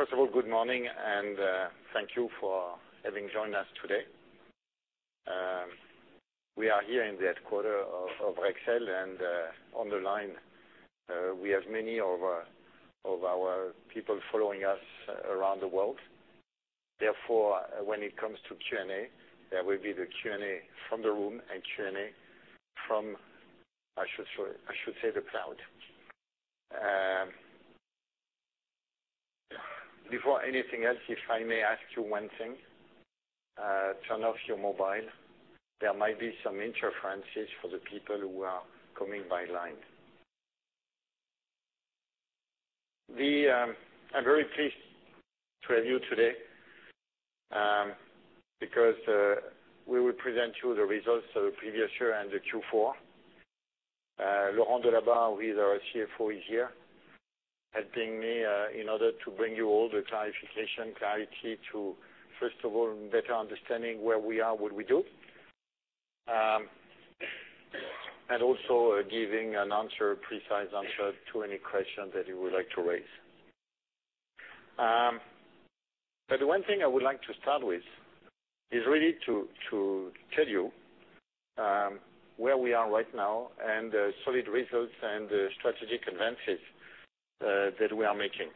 First of all, good morning. Thank you for having joined us today. We are here in the headquarter of Rexel. On the line, we have many of our people following us around the world. Therefore, when it comes to Q&A, there will be the Q&A from the room and Q&A from, I should say, the cloud. Before anything else, if I may ask you one thing, turn off your mobile. There might be some interferences for the people who are coming by line. I'm very pleased to have you today because we will present to you the results of the previous year and the Q4. Laurent Delabarre, who is our CFO, is here helping me in order to bring you all the clarification, clarity to, first of all, better understanding where we are, what we do. Also giving a precise answer to any question that you would like to raise. The one thing I would like to start with is really to tell you where we are right now and the solid results and strategic advances that we are making.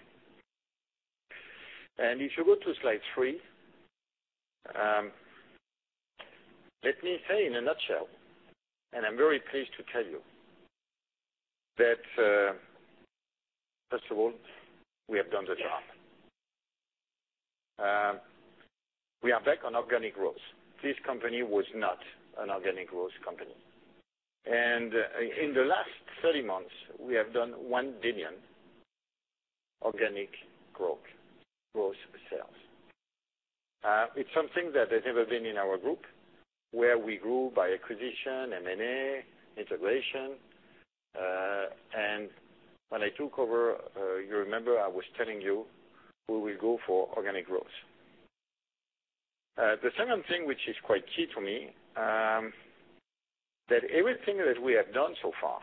If you go to slide three, let me say in a nutshell. I'm very pleased to tell you that, first of all, we have done the job. We are back on organic growth. This company was not an organic growth company. In the last 30 months, we have done 1 billion organic growth sales. It's something that has never been in our group, where we grew by acquisition, M&A, integration. When I took over, you remember I was telling you we will go for organic growth. The second thing, which is quite key to me, that everything that we have done so far,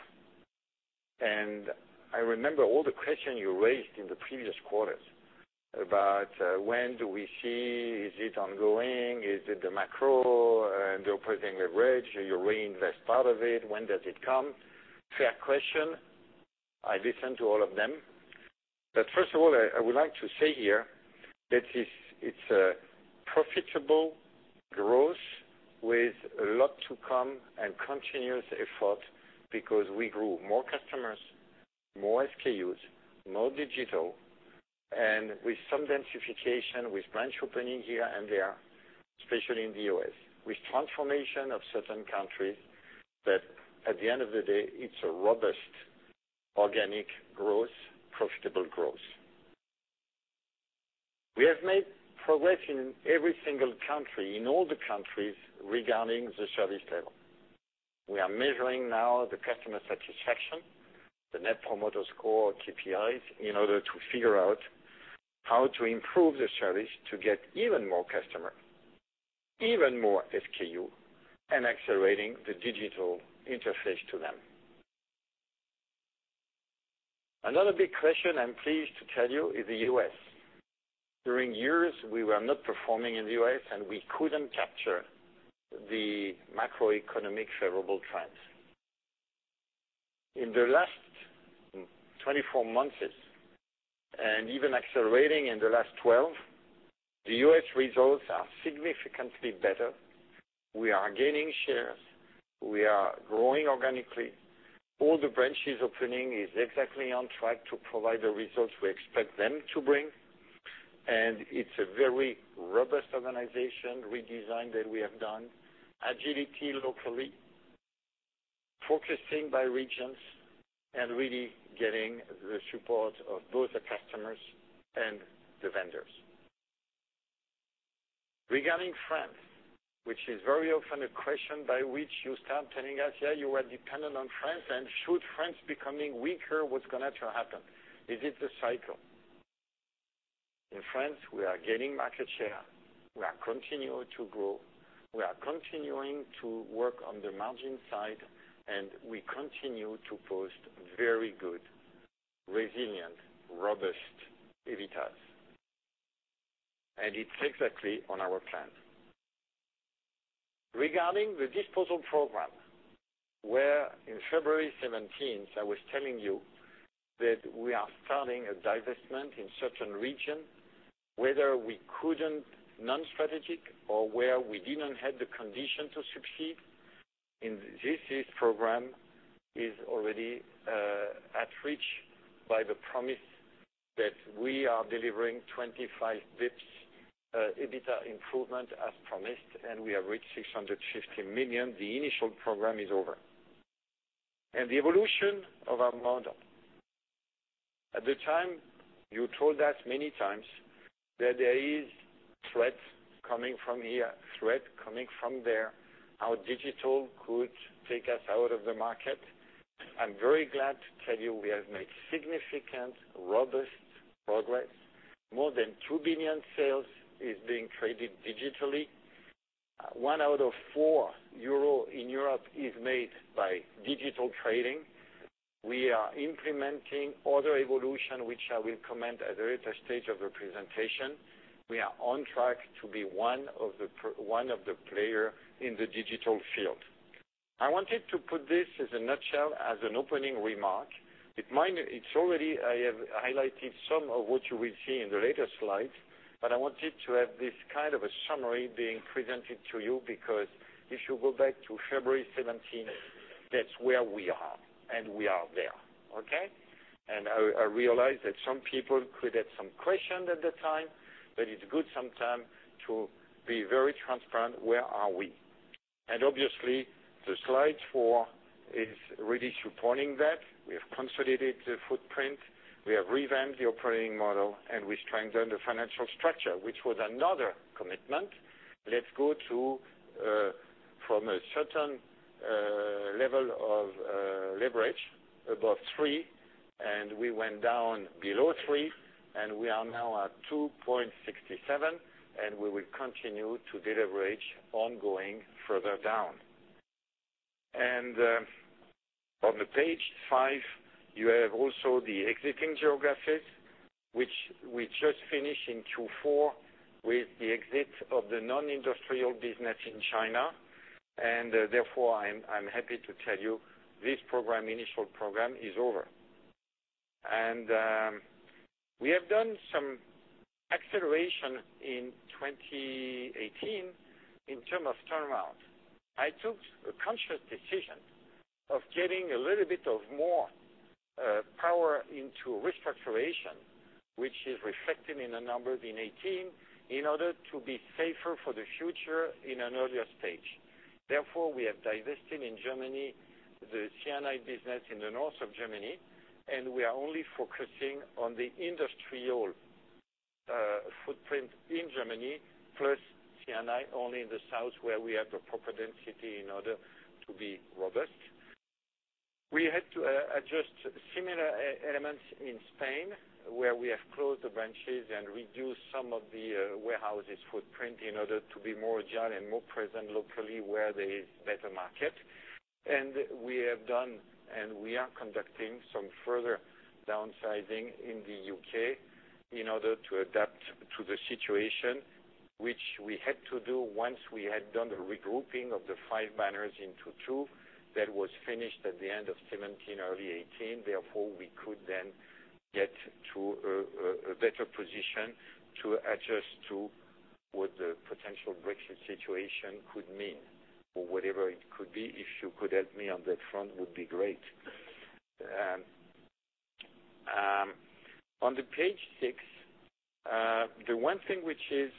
and I remember all the question you raised in the previous quarters about when do we see, is it ongoing, is it the macro and the operating leverage? You reinvest part of it. When does it come? Fair question. I listen to all of them. First of all, I would like to say here that it's a profitable growth with a lot to come and continuous effort because we grew more customers, more SKUs, more digital, and with some densification with branch opening here and there, especially in the U.S. With transformation of certain countries that at the end of the day, it's a robust organic growth, profitable growth. We have made progress in every single country, in all the countries regarding the service level. We are measuring now the customer satisfaction, the Net Promoter Score, KPIs, in order to figure out how to improve the service to get even more customer, even more SKU, and accelerating the digital interface to them. Another big question I'm pleased to tell you is the U.S. During years, we were not performing in the U.S., and we couldn't capture the macroeconomic favorable trends. In the last 24 months, and even accelerating in the last 12, the U.S. results are significantly better. We are gaining shares. We are growing organically. All the branches opening is exactly on track to provide the results we expect them to bring, and it's a very robust organization redesign that we have done, agility locally, focusing by regions and really getting the support of both the customers and the vendors. Regarding France, which is very often a question by which you start telling us, yeah, you are dependent on France, should France becoming weaker, what's going to happen? Is it the cycle? In France, we are gaining market share. We are continuing to grow. We are continuing to work on the margin side, we continue to post very good, resilient, robust EBITDAs. It's exactly on our plan. Regarding the disposal program, where in February 17th, I was telling you that we are starting a divestment in certain region, whether we couldn't non-strategic or where we didn't have the condition to succeed in this program, is already at reach by the promise that we are delivering 25 basis points, EBITDA improvement as promised, we have reached 650 million. The initial program is over. The evolution of our model. At the time, you told us many times that there is threat coming from here, threat coming from there. How digital could take us out of the market. I'm very glad to tell you we have made significant, robust progress. More than 2 billion sales is being traded digitally. One out of four EUR in Europe is made by digital trading. We are implementing Order Evolution, which I will comment at a later stage of the presentation. We are on track to be one of the player in the digital field. I wanted to put this as a nutshell, as an opening remark. I have highlighted some of what you will see in the later slides, but I wanted to have this kind of a summary being presented to you because if you go back to February 17, that's where we are, we are there. Okay? I realize that some people could have some questions at the time, but it's good sometime to be very transparent where are we. Obviously, the slide four is really supporting that. We have consolidated the footprint, we have revamped the operating model, we strengthened the financial structure, which was another commitment. From a certain level of leverage above three, we went down below three, we are now at 2.67, we will continue to deleverage ongoing further down. On the page five, you have also the exiting geographies, which we just finished in Q4 with the exit of the non-industrial business in China. Therefore, I'm happy to tell you this initial program is over. We have done some acceleration in 2018 in term of turnaround. I took a conscious decision of getting a little bit of more power into restructuration, which is reflected in the numbers in 2018, in order to be safer for the future in an earlier stage. Therefore, we have divested in Germany, the C&I business in the north of Germany, we are only focusing on the industrial footprint in Germany, plus C&I only in the south where we have the proper density in order to be robust. We had to adjust similar elements in Spain, where we have closed the branches and reduced some of the warehouses footprint in order to be more agile and more present locally where there is better market. We are conducting some further downsizing in the U.K. in order to adapt to the situation, which we had to do once we had done the regrouping of the five banners into two. That was finished at the end of 2017, early 2018. We could then get to a better position to adjust to what the potential Brexit situation could mean or whatever it could be. If you could help me on that front, would be great. On the page six, the one thing which is,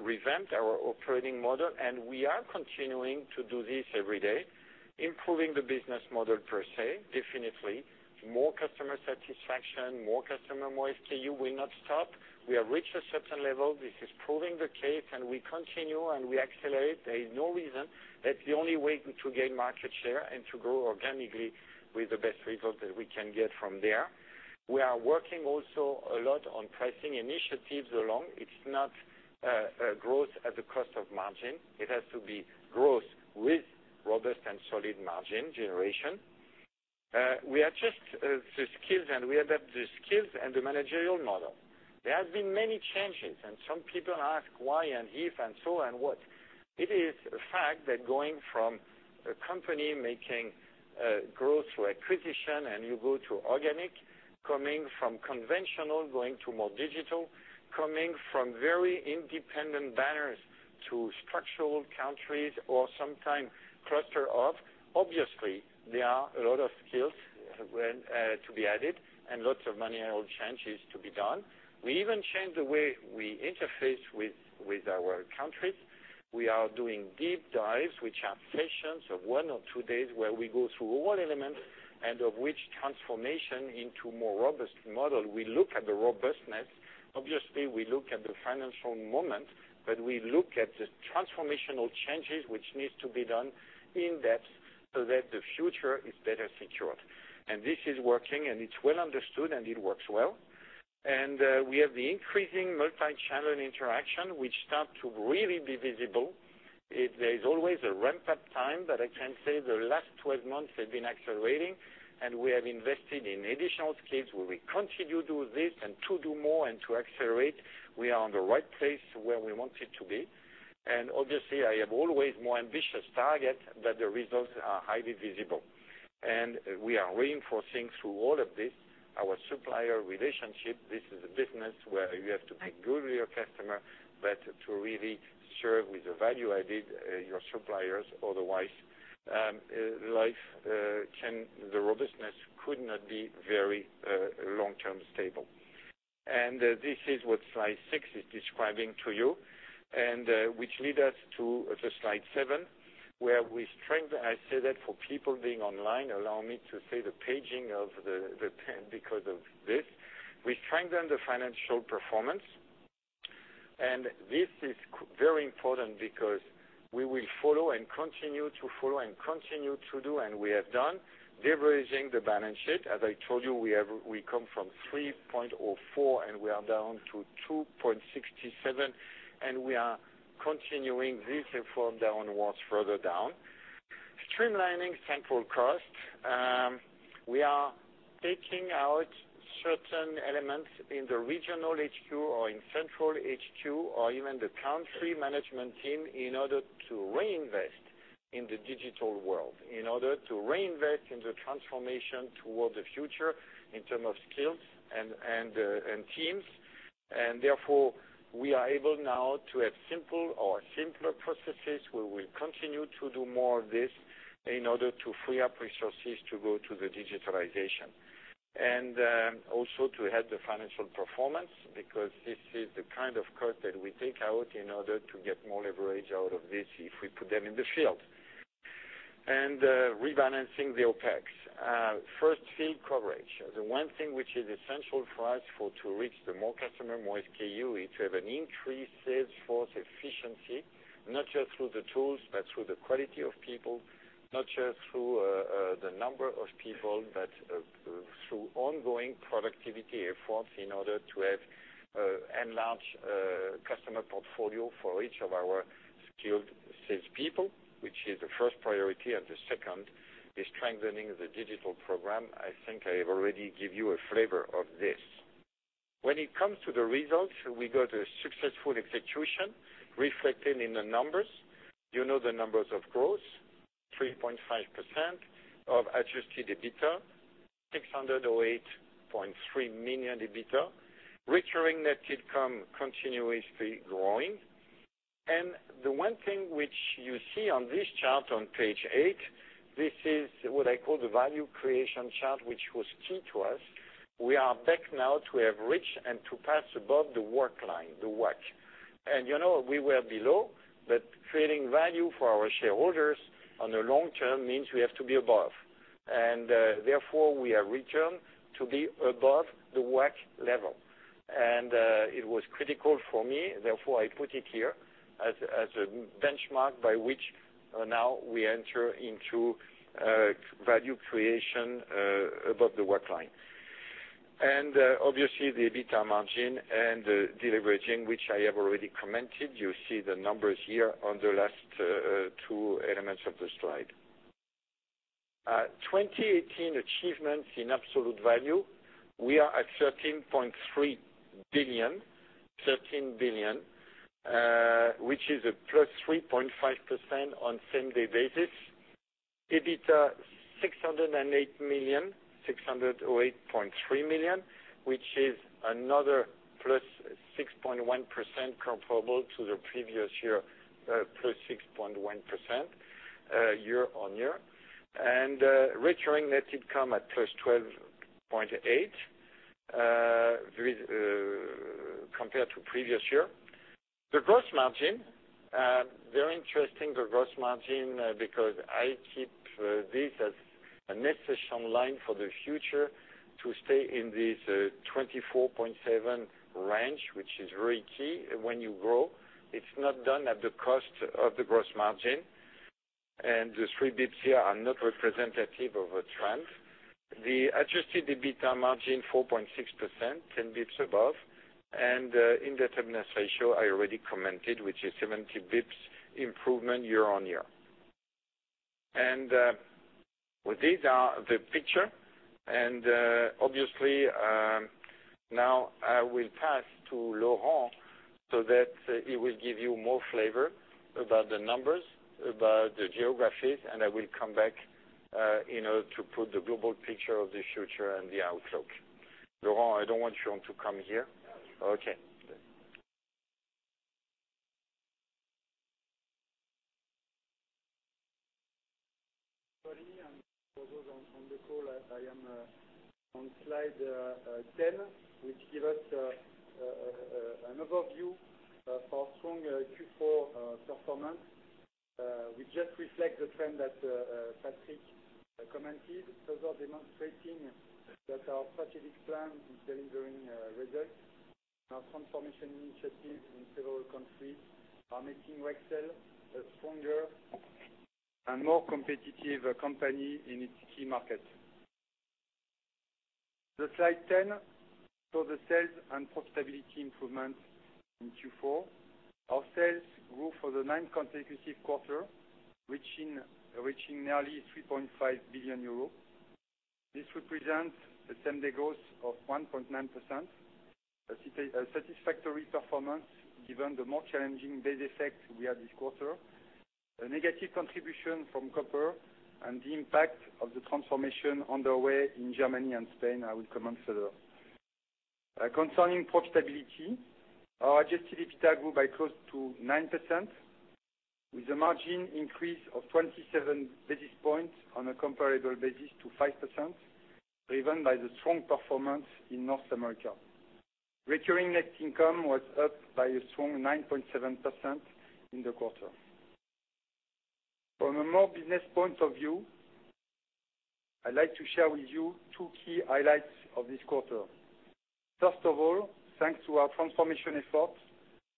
revamp our operating model. We are continuing to do this every day, improving the business model per se, definitely. More customer satisfaction, more customer, more SKU will not stop. We have reached a certain level. This is proving the case. We continue, and we accelerate. There is no reason. That's the only way to gain market share and to grow organically with the best result that we can get from there. We are working also a lot on pricing initiatives along. It's not growth at the cost of margin. It has to be growth with robust and solid margin generation. We adjust the skills and we adapt the skills and the managerial model. There have been many changes, and some people ask why and if and so and what. It is a fact that going from a company making growth through acquisition and you go to organic, coming from conventional going to more digital, coming from very independent banners to structural countries or sometimes cluster of, obviously, there are a lot of skills to be added and lots of managerial changes to be done. We even change the way we interface with our countries. We are doing deep dives, which are sessions of one or two days where we go through all elements, of which transformation into more robust model. We look at the robustness. Obviously, we look at the financial moment, but we look at the transformational changes which need to be done in depth so that the future is better secured. And this is working, and it's well understood, and it works well. We have the increasing multi-channel interaction, which start to really be visible. There's always a ramp-up time, but I can say the last 12 months have been accelerating. We have invested in additional skills where we continue to do this and to do more and to accelerate. We are on the right place where we wanted to be. Obviously, I have always more ambitious target, but the results are highly visible. We are reinforcing through all of this our supplier relationship. This is a business where you have to be good with your customer, but to really serve with the value added your suppliers. Otherwise, the robustness could not be very long-term stable. This is what slide six is describing to you which leads us to the slide seven, where we strengthen I say that for people being online, allow me to say the paging of the Because of this. We strengthen the financial performance, and this is very important because we will follow and continue to follow and continue to do, and we have done, deleveraging the balance sheet. As I told you, we come from 3.04, and we are down to 2.67, and we are continuing this effort downwards further down. Streamlining central cost. We are taking out certain elements in the regional HQ or in central HQ or even the country management team in order to reinvest in the digital world, in order to reinvest in the transformation toward the future in terms of skills and teams. Therefore, we are able now to have simple or simpler processes. We will continue to do more of this in order to free up resources to go to the digitalization. Also to help the financial performance, because this is the kind of cut that we take out in order to get more leverage out of this if we put them in the field. Rebalancing the OpEx. First, field coverage. The one thing which is essential for us to reach the more customer, more SKU, is to have an increased sales force efficiency, not just through the tools, but through the quality of people, not just through the number of people, but through ongoing productivity efforts in order to have enlarged customer portfolio for each of our skilled salespeople, which is the first priority, and the second is strengthening the digital program. I think I already give you a flavor of this. When it comes to the results, we got a successful execution reflected in the numbers. You know the numbers of growth, 3.5% of adjusted EBITDA, 608.3 million EBITDA. Recurring net income continuously growing. The one thing which you see on this chart on page eight, this is what I call the value creation chart, which was key to us. We are back now to have reached and to pass above the work line, the WACC. You know, we were below, but creating value for our shareholders on the long term means we have to be above. Therefore, we have returned to be above the WACC level. It was critical for me, therefore, I put it here as a benchmark by which now we enter into value creation above the WACC line. Obviously, the EBITDA margin and the deleveraging, which I have already commented, you see the numbers here on the last two elements of the slide. 2018 achievements in absolute value, we are at 13.3 billion, 13 billion, which is a +3.5% on same-day basis. EBITDA, 608 million, 608.3 million, which is another +6.1% comparable to the previous year, +6.1% year-on-year. Recurring net income at +12.8%, compared to previous year. The gross margin, very interesting, the gross margin, because I keep this as a necessary line for the future to stay in this 24.7% range, which is very key when you grow. It's not done at the cost of the gross margin, and the three basis points here are not representative of a trend. The adjusted EBITDA margin, 4.6%, 10 basis points above. Indebtedness ratio, I already commented, which is 70 basis points improvement year-on-year. These are the picture. Obviously, now I will pass to Laurent so that he will give you more flavor about the numbers, about the geographies, and I will come back in order to put the global picture of the future and the outlook. Laurent, I don't want Jean to come here. Okay. For those on the call, I am on slide 10, which give us an overview of our strong Q4 performance. We just reflect the trend that Patrick commented, further demonstrating that our strategic plan is delivering results. Our transformation initiatives in several countries are making Rexel a stronger and more competitive company in its key markets. The slide 10 show the sales and profitability improvements in Q4. Our sales grew for the ninth consecutive quarter, reaching nearly 3.5 billion euros. This represents the same-day growth of 1.9%, a satisfactory performance given the more challenging base effect we had this quarter, a negative contribution from copper, and the impact of the transformation underway in Germany and Spain. I will comment further. Concerning profitability, our adjusted EBITDA grew by close to 9%, with a margin increase of 27 basis points on a comparable basis to 5%, driven by the strong performance in North America. Recurring net income was up by a strong 9.7% in the quarter. From a more business point of view, I'd like to share with you two key highlights of this quarter. First of all, thanks to our transformation efforts,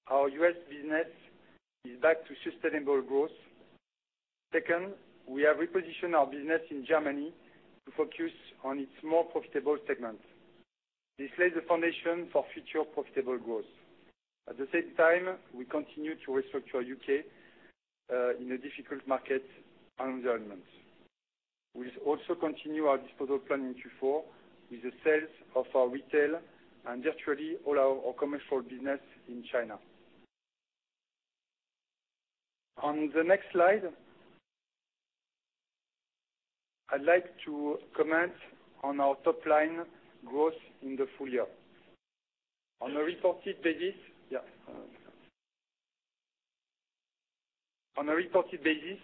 our U.S. business is back to sustainable growth. Second, we have repositioned our business in Germany to focus on its more profitable segments. This lays the foundation for future profitable growth. At the same time, we continue to restructure U.K., in a difficult market environment. We also continue our disposal plan in Q4 with the sales of our retail and virtually all our commercial business in China. On the next slide, I'd like to comment on our top-line growth in the full year. On a reported basis, our 2018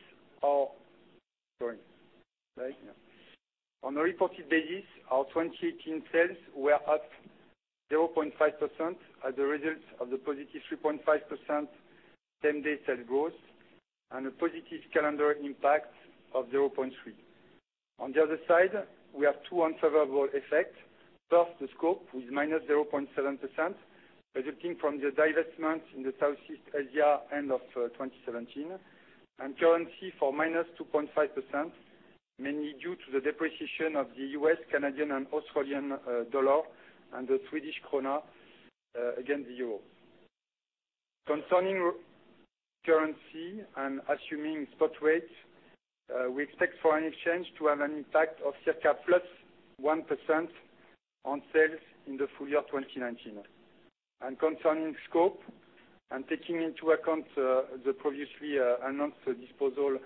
sales were up 0.5% as a result of the positive 3.5% same-day sales growth, and a positive calendar impact of 0.3%. On the other side, we have two unfavorable effects. First, the scope with -0.7%, resulting from the divestment in the Southeast Asia end of 2017, and currency for -2.5%, mainly due to the depreciation of the U.S., Canadian, and Australian dollar, and the Swedish krona, against the EUR. Concerning currency and assuming spot rates, we expect foreign exchange to have an impact of circa +1% on sales in the full year 2019. Concerning scope, and taking into account the previously announced disposal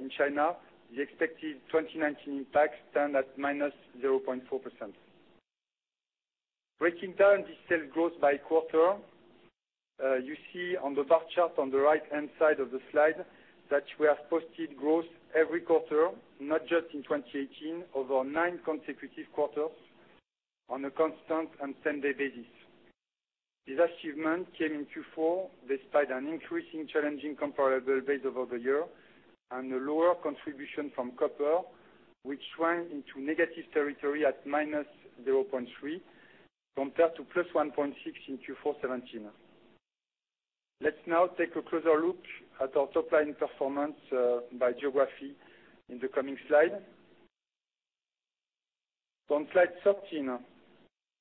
in China, the expected 2019 impact stands at -0.4%. Breaking down the sales growth by quarter, you see on the bar chart on the right-hand side of the slide that we have posted growth every quarter, not just in 2018, over nine consecutive quarters on a constant and same-day basis. This achievement came in Q4 despite an increasing challenging comparable base over the year and a lower contribution from copper, which went into negative territory at -0.3% compared to +1.6% in Q4 2017. Let's now take a closer look at our top-line performance by geography in the coming slide. On slide 13,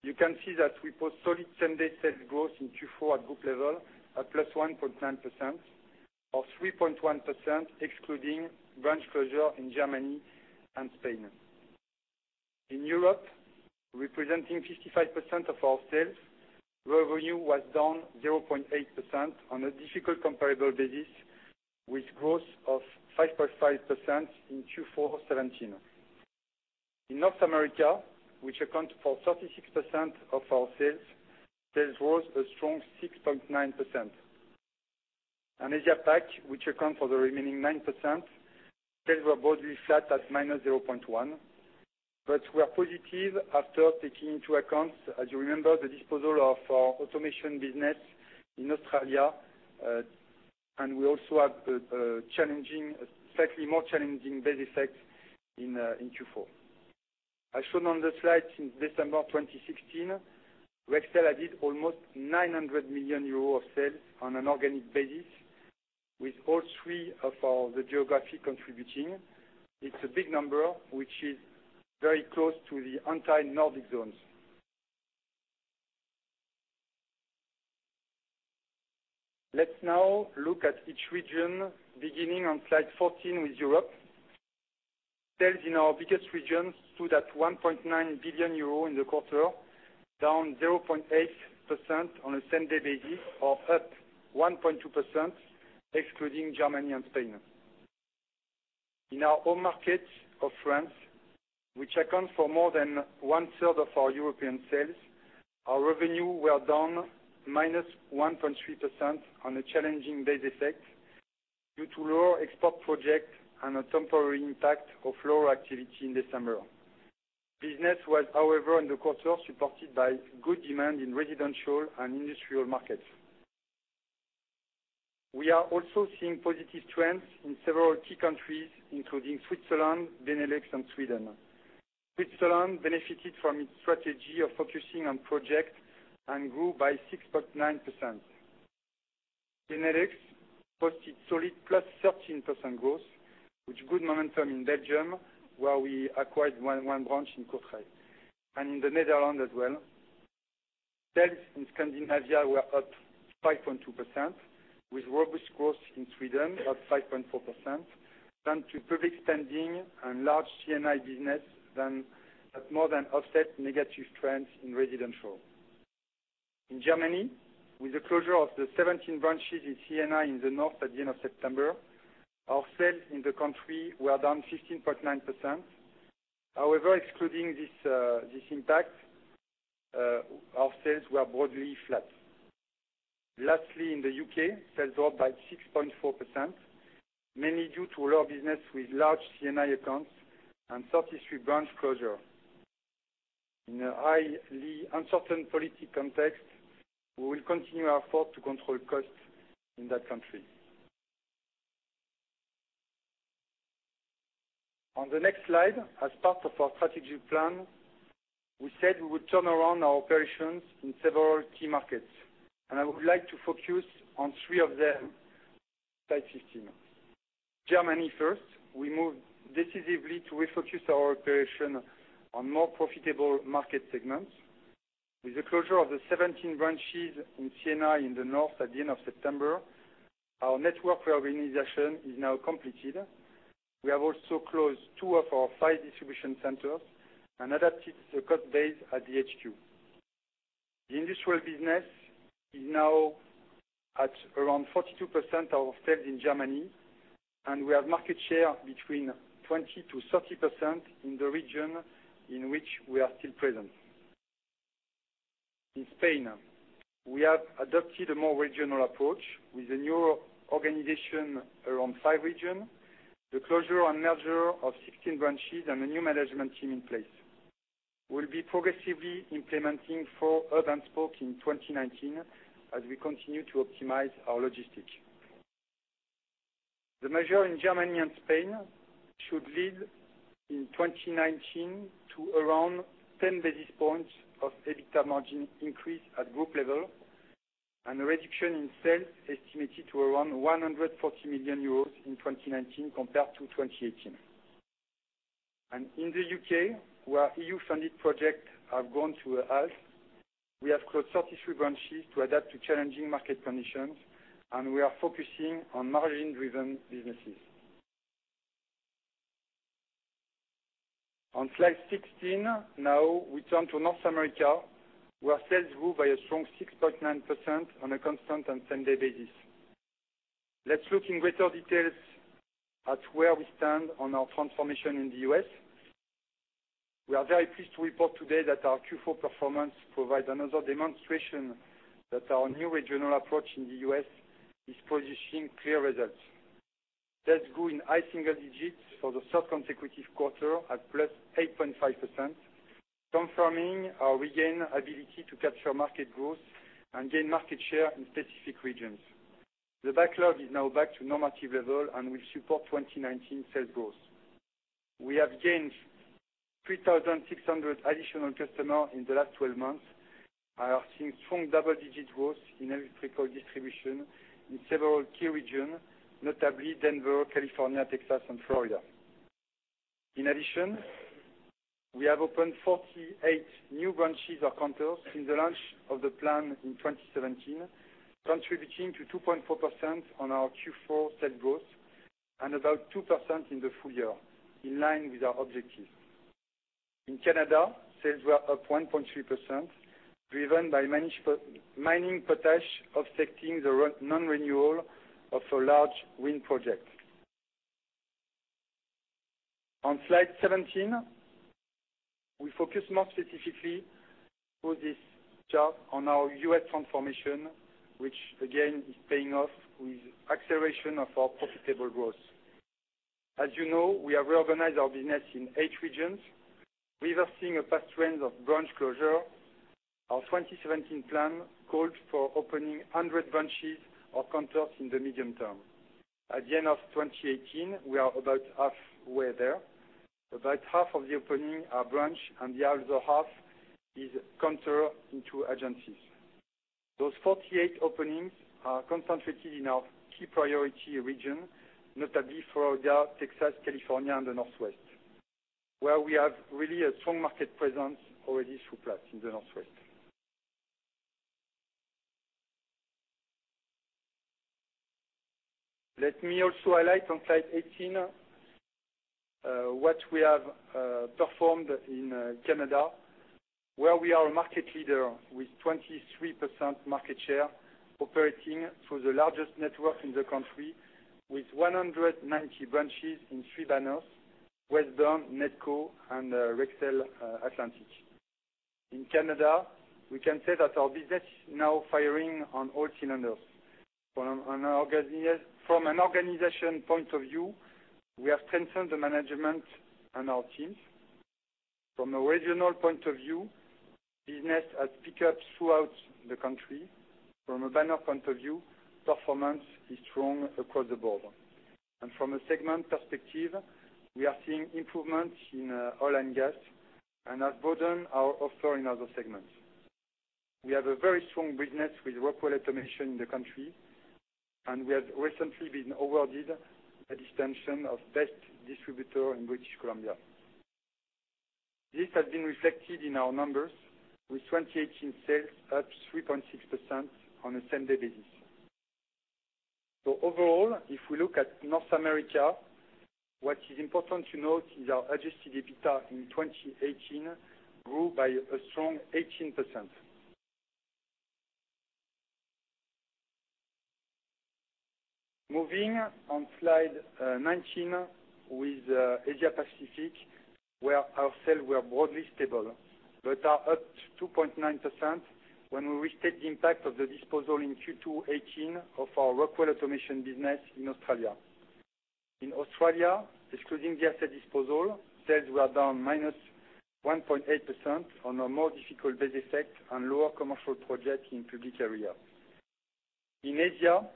you can see that we post solid same-day sales growth in Q4 at group level at +1.9%, or 3.1% excluding branch closure in Germany and Spain. In Europe, representing 55% of our sales, revenue was down 0.8% on a difficult comparable basis, with growth of 5.5% in Q4 2017. In North America, which accounts for 36% of our sales rose a strong 6.9%. Asia Pac, which accounts for the remaining 9%, sales were broadly flat at -0.1%. We are positive after taking into account, as you remember, the disposal of our automation business in Australia. We also have a slightly more challenging base effect in Q4. As shown on the slide, since December 2016, Rexel added almost 900 million euros of sales on an organic basis, with all three of the geographies contributing. It's a big number, which is very close to the entire Nordic zones. Let's now look at each region, beginning on slide 14 with Europe. Sales in our biggest region stood at 1.9 billion euro in the quarter, down 0.8% on a same-day basis or up 1.2% excluding Germany and Spain. In our home market of France, which accounts for more than one-third of our European sales, our revenue was down -1.3% on a challenging base effect due to lower export projects and a temporary impact of lower activity in December. Business was, however, in the quarter supported by good demand in residential and industrial markets. We are also seeing positive trends in several key countries, including Switzerland, Benelux, and Sweden. Switzerland benefited from its strategy of focusing on projects and grew by 6.9%. Benelux posted solid +13% growth, with good momentum in Belgium, where we acquired one branch in Kortrijk, and in the Netherlands as well. Sales in Scandinavia were up 5.2%, with robust growth in Sweden up 5.4%, thanks to public spending and large C&I business that more than offset negative trends in residential. In Germany, with the closure of the 17 branches in C&I in the north at the end of September, our sales in the country were down 15.9%. However, excluding this impact, our sales were broadly flat. Lastly, in the U.K., sales dropped by 6.4%, mainly due to lower business with large C&I accounts and 33 branch closures. In a highly uncertain policy context, we will continue our efforts to control costs in that country. On the next slide, as part of our strategic plan, we said we would turn around our operations in several key markets, and I would like to focus on three of them, slide 15. Germany first, we moved decisively to refocus our operations on more profitable market segments. With the closure of the 17 branches in C&I in the north at the end of September, our network reorganization is now completed. We have also closed two of our five distribution centers and adapted the cost base at the HQ. The industrial business is now at around 42% of our sales in Germany, and we have market share between 20%-30% in the region in which we are still present. In Spain, we have adopted a more regional approach with a new organization around five regions, the closure and merger of 16 branches, and a new management team in place. We'll be progressively implementing four urban spokes in 2019 as we continue to optimize our logistics. The measures in Germany and Spain should lead in 2019 to around 10 basis points of EBITDA margin increase at group level, and a reduction in sales estimated to around 140 million euros in 2019 compared to 2018. In the U.K., where EU-funded projects have gone to a halt, we have closed 33 branches to adapt to challenging market conditions, and we are focusing on margin-driven businesses. On slide 16, we turn to North America, where sales grew by a strong 6.9% on a constant and same day basis. Let's look in greater details at where we stand on our transformation in the U.S. We are very pleased to report today that our Q4 performance provides another demonstration that our new regional approach in the U.S. is positioning clear results. Sales grew in high single digits for the third consecutive quarter at +8.5%, confirming our regained ability to capture market growth and gain market share in specific regions. The backlog is now back to normative level and will support 2019 sales growth. We have gained 3,600 additional customers in the last 12 months, are seeing strong double-digit growth in electrical distribution in several key regions, notably Denver, California, Texas, and Florida. In addition, we have opened 48 new branches or counters since the launch of the plan in 2017, contributing to 2.4% on our Q4 sales growth and about 2% in the full year, in line with our objective. In Canada, sales were up 1.3%, driven by mining potash offsetting the non-renewal of a large wind project. On slide 17, we focus more specifically for this chart on our U.S. transformation, which again is paying off with acceleration of our profitable growth. As you know, we have reorganized our business in eight regions, reversing a past trend of branch closure. Our 2017 plan called for opening 100 branches or counters in the medium term. At the end of 2018, we are about halfway there. About half of the openings are branches, and the other half is counters into agencies. Those 48 openings are concentrated in our key priority regions, notably Florida, Texas, California, and the Northwest, where we have really a strong market presence already through Platt in the Northwest. Let me also highlight on slide 18, what we have performed in Canada, where we are a market leader with 23% market share operating through the largest network in the country with 190 branches in three banners, Westburne, Nedco, and Rexel Atlantic. In Canada, we can say that our business now firing on all cylinders. From an organization point of view, we have strengthened the management and our teams. From a regional point of view, business has picked up throughout the country. From a banner point of view, performance is strong across the board. From a segment perspective, we are seeing improvements in oil and gas and over and above our offshore and other segments. We have a very strong business with Rockwell Automation in the country, and we have recently been awarded a distinction of best distributor in British Columbia. This has been reflected in our numbers with 2018 sales up 3.6% on a same-day basis. Overall, if we look at North America, what is important to note is our adjusted EBITDA in 2018 grew by a strong 18%. Moving on slide 19 with Asia Pacific, where our sales were broadly stable but are up 2.9% when we restate the impact of the disposal in Q2 2018 of our Rockwell Automation business in Australia. In Australia, excluding the asset disposal, sales were down -1.8% on a more difficult base effect and lower commercial projects in public areas. In Asia,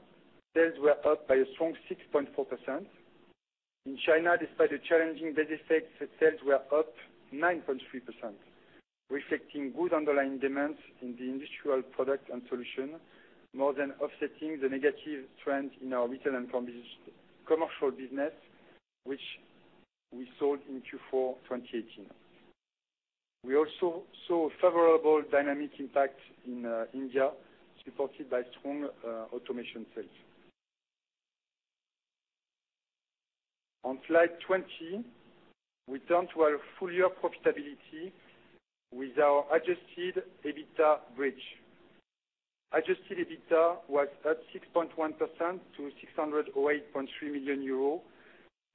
sales were up by a strong 6.4%. In China, despite the challenging base effect, sales were up 9.3%. Reflecting good underlying demands in the industrial product and solution, more than offsetting the negative trend in our retail and commercial business, which we sold in Q4 2018. We also saw a favorable dynamic impact in India, supported by strong automation sales. On slide 20, we turn to our full-year profitability with our adjusted EBITDA bridge. Adjusted EBITDA was at 6.1% to 608.3 million euros,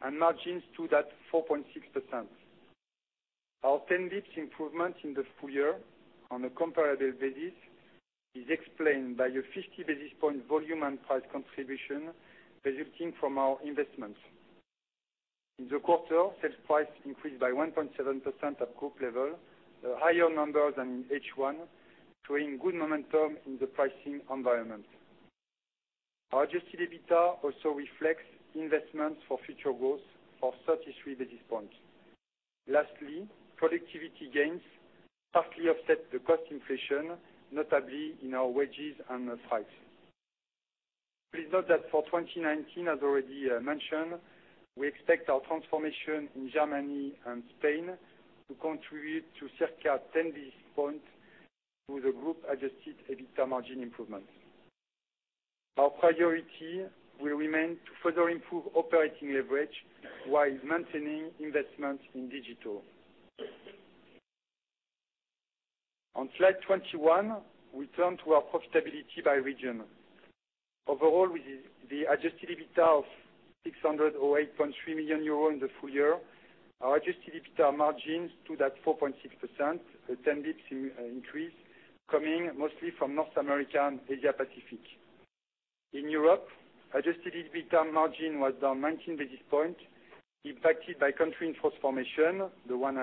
and margins stood at 4.6%. Our 10 basis points improvement in the full year on a comparable basis is explained by a 50 basis point volume and price contribution resulting from our investments. In the quarter, sales price increased by 1.7% at group level, a higher number than in H1, showing good momentum in the pricing environment. Our adjusted EBITDA also reflects investments for future growth of 33 basis points. Lastly, productivity gains partly offset the cost inflation, notably in our wages and price. Please note that for 2019, as already mentioned, we expect our transformation in Germany and Spain to contribute to circa 10 basis points to the group adjusted EBITDA margin improvement. Our priority will remain to further improve operating leverage while maintaining investments in digital. On slide 21, we turn to our profitability by region. Overall, with the adjusted EBITDA of 608.3 million euros in the full year, our adjusted EBITDA margins stood at 4.6%, a 10 basis points increase, coming mostly from North America and Asia Pacific. In Europe, adjusted EBITDA margin was down 19 basis points, impacted by country transformation, the one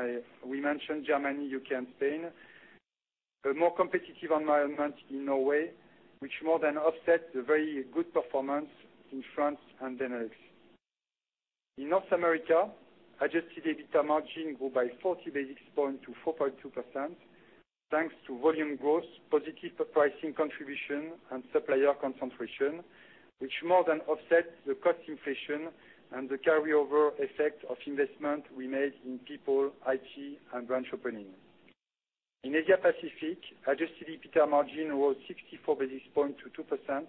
we mentioned, Germany, U.K., and Spain. A more competitive environment in Norway, which more than offset the very good performance in France and the Netherlands. In North America, adjusted EBITDA margin grew by 40 basis points to 4.2%, thanks to volume growth, positive pricing contribution, and supplier concentration, which more than offset the cost inflation and the carryover effect of investment we made in people, IT, and branch opening. In Asia Pacific, adjusted EBITDA margin was 64 basis points to 2%,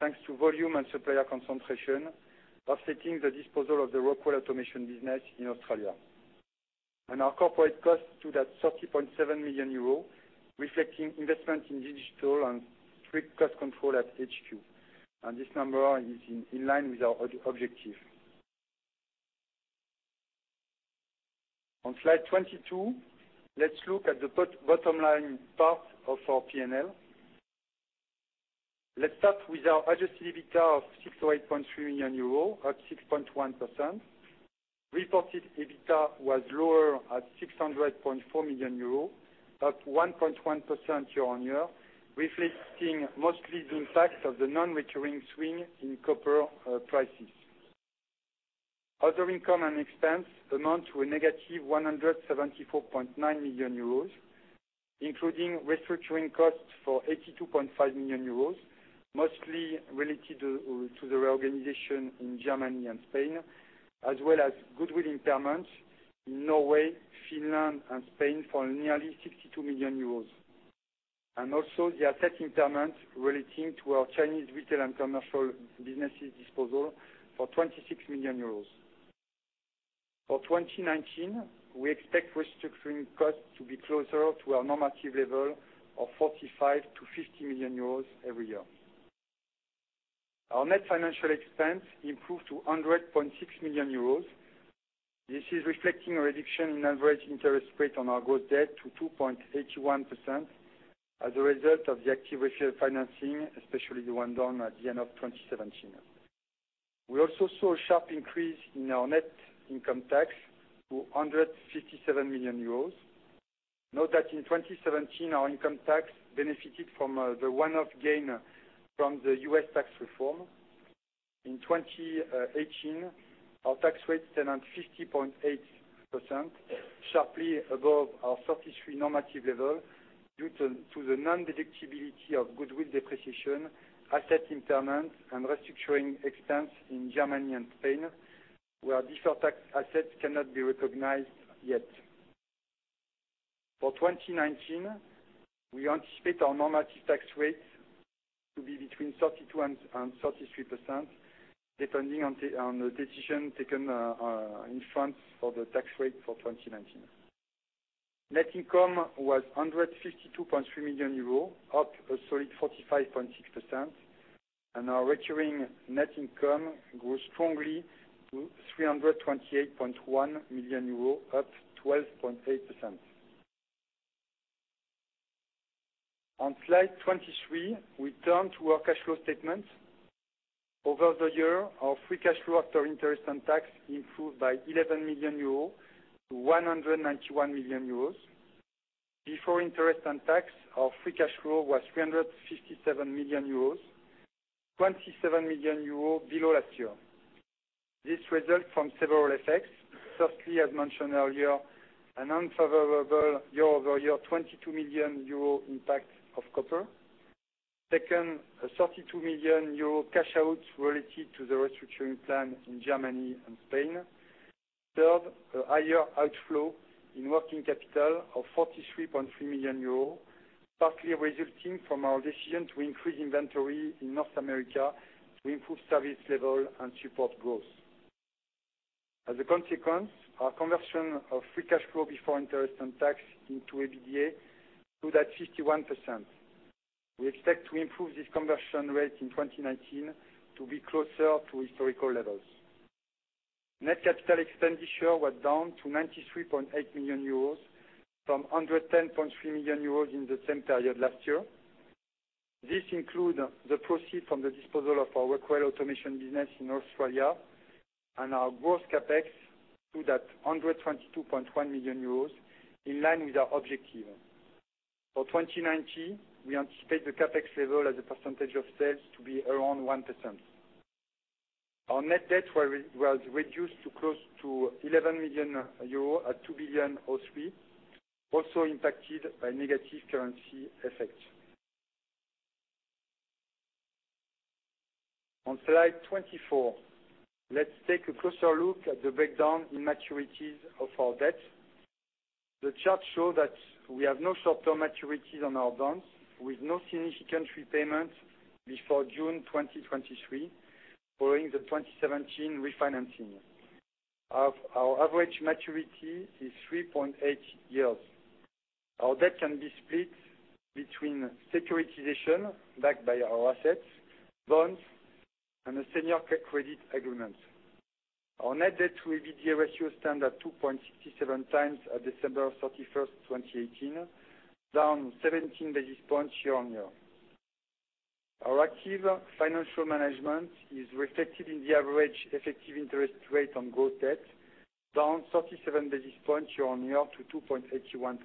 thanks to volume and supplier concentration, offsetting the disposal of the Rockwell Automation business in Australia. Our corporate costs stood at 30.7 million euros, reflecting investment in digital and strict cost control at HQ. This number is in line with our objective. On slide 22, let's look at the bottom line part of our P&L. Let's start with our adjusted EBITDA of 608.3 million euros, up 6.1%. Reported EBITDA was lower at 600.4 million euros, up 1.1% year-on-year, reflecting mostly the impact of the non-recurring swing in copper prices. Other income and expense amount to a negative 174.9 million euros, including restructuring costs for 82.5 million euros, mostly related to the reorganization in Germany and Spain, as well as goodwill impairments in Norway, Finland, and Spain for nearly 62 million euros. Also the asset impairment relating to our Chinese retail and commercial businesses disposal for 26 million euros. For 2019, we expect restructuring costs to be closer to our normative level of 45 million-50 million euros every year. Our net financial expense improved to 100.6 million euros. This is reflecting a reduction in average interest rate on our gross debt to 2.81% as a result of the active refill financing, especially the one done at the end of 2017. We also saw a sharp increase in our net income tax to 157 million euros. Note that in 2017, our income tax benefited from the one-off gain from the U.S. tax reform. In 2018, our tax rate stand at 50.8%, sharply above our 33% normative level due to the non-deductibility of goodwill depreciation, asset impairment, and restructuring expense in Germany and Spain, where deferred tax assets cannot be recognized yet. For 2019, we anticipate our normative tax rates to be between 32% and 33%, depending on the decision taken in France for the tax rate for 2019. Net income was 152.3 million euros, up a solid 45.6%, and our recurring net income grew strongly to 328.1 million euros, up 12.8%. On slide 23, we turn to our cash flow statement. Over the year, our free cash flow after interest and tax improved by 11 million euros to 191 million euros. Before interest and tax, our free cash flow was 357 million euros, 27 million euros below last year. This result from several effects. Firstly, as mentioned earlier, an unfavorable year-over-year 22 million euro impact of copper. Second, a 32 million euro cash out related to the restructuring plan in Germany and Spain. Third, a higher outflow in working capital of 43.3 million euros, partly resulting from our decision to increase inventory in North America to improve service level and support growth. As a consequence, our conversion of free cash flow before interest and tax into EBITDA stood at 51%. We expect to improve this conversion rate in 2019 to be closer to historical levels. Net capital expenditure was down to 93.8 million euros from 110.3 million euros in the same period last year. This include the proceed from the disposal of our Rockwell Automation business in Australia, and our gross CapEx stood at 122.1 million euros, in line with our objective. For 2019, we anticipate the CapEx level as a percentage of sales to be around 1%. Our net debt was reduced to close to 11 million euros at 2.03 billion, also impacted by negative currency effect. On slide 24, let's take a closer look at the breakdown in maturities of our debt. The chart show that we have no short-term maturities on our bonds, with no significant repayment before June 2023, following the 2017 refinancing. Our average maturity is 3.8 years. Our debt can be split between securitization backed by our assets, bonds, and a senior credit agreement. Our net debt to EBITDA ratio stand at 2.67x at December 31st, 2018, down 17 basis points year-on-year. Our active financial management is reflected in the average effective interest rate on gross debt, down 37 basis points year-on-year to 2.81%.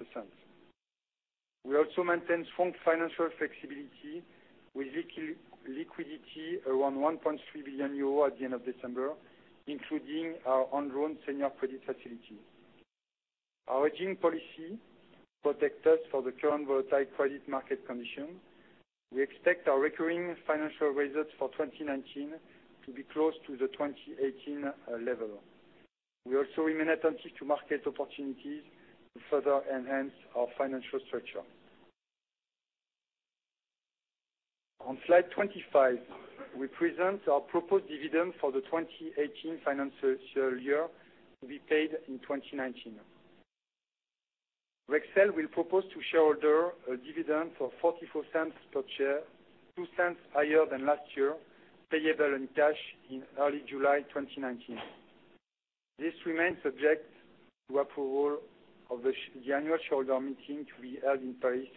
We also maintain strong financial flexibility with liquidity around 1.3 billion euro at the end of December, including our undrawn senior credit facility. Our hedging policy protect us for the current volatile credit market condition. We expect our recurring financial results for 2019 to be close to the 2018 level. We also remain attentive to market opportunities to further enhance our financial structure. On slide 25, we present our proposed dividend for the 2018 financial year to be paid in 2019. Rexel will propose to shareholder a dividend of 0.44 per share, 0.02 higher than last year, payable in cash in early July 2019. This remains subject to approval of the annual shareholder meeting to be held in Paris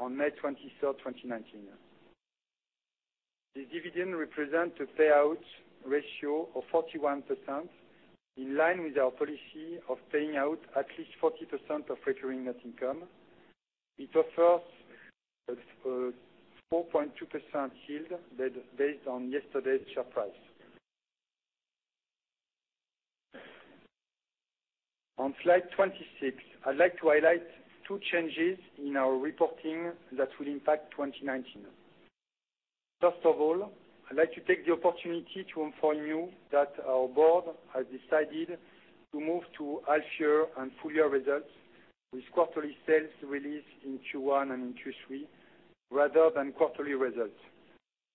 on May 23rd, 2019. The dividend represent a payout ratio of 41%, in line with our policy of paying out at least 40% of recurring net income. It offers a 4.2% yield based on yesterday's share price. On slide 26, I'd like to highlight two changes in our reporting that will impact 2019. First of all, I'd like to take the opportunity to inform you that our board has decided to move to half year and full year results, with quarterly sales released in Q1 and in Q3, rather than quarterly results.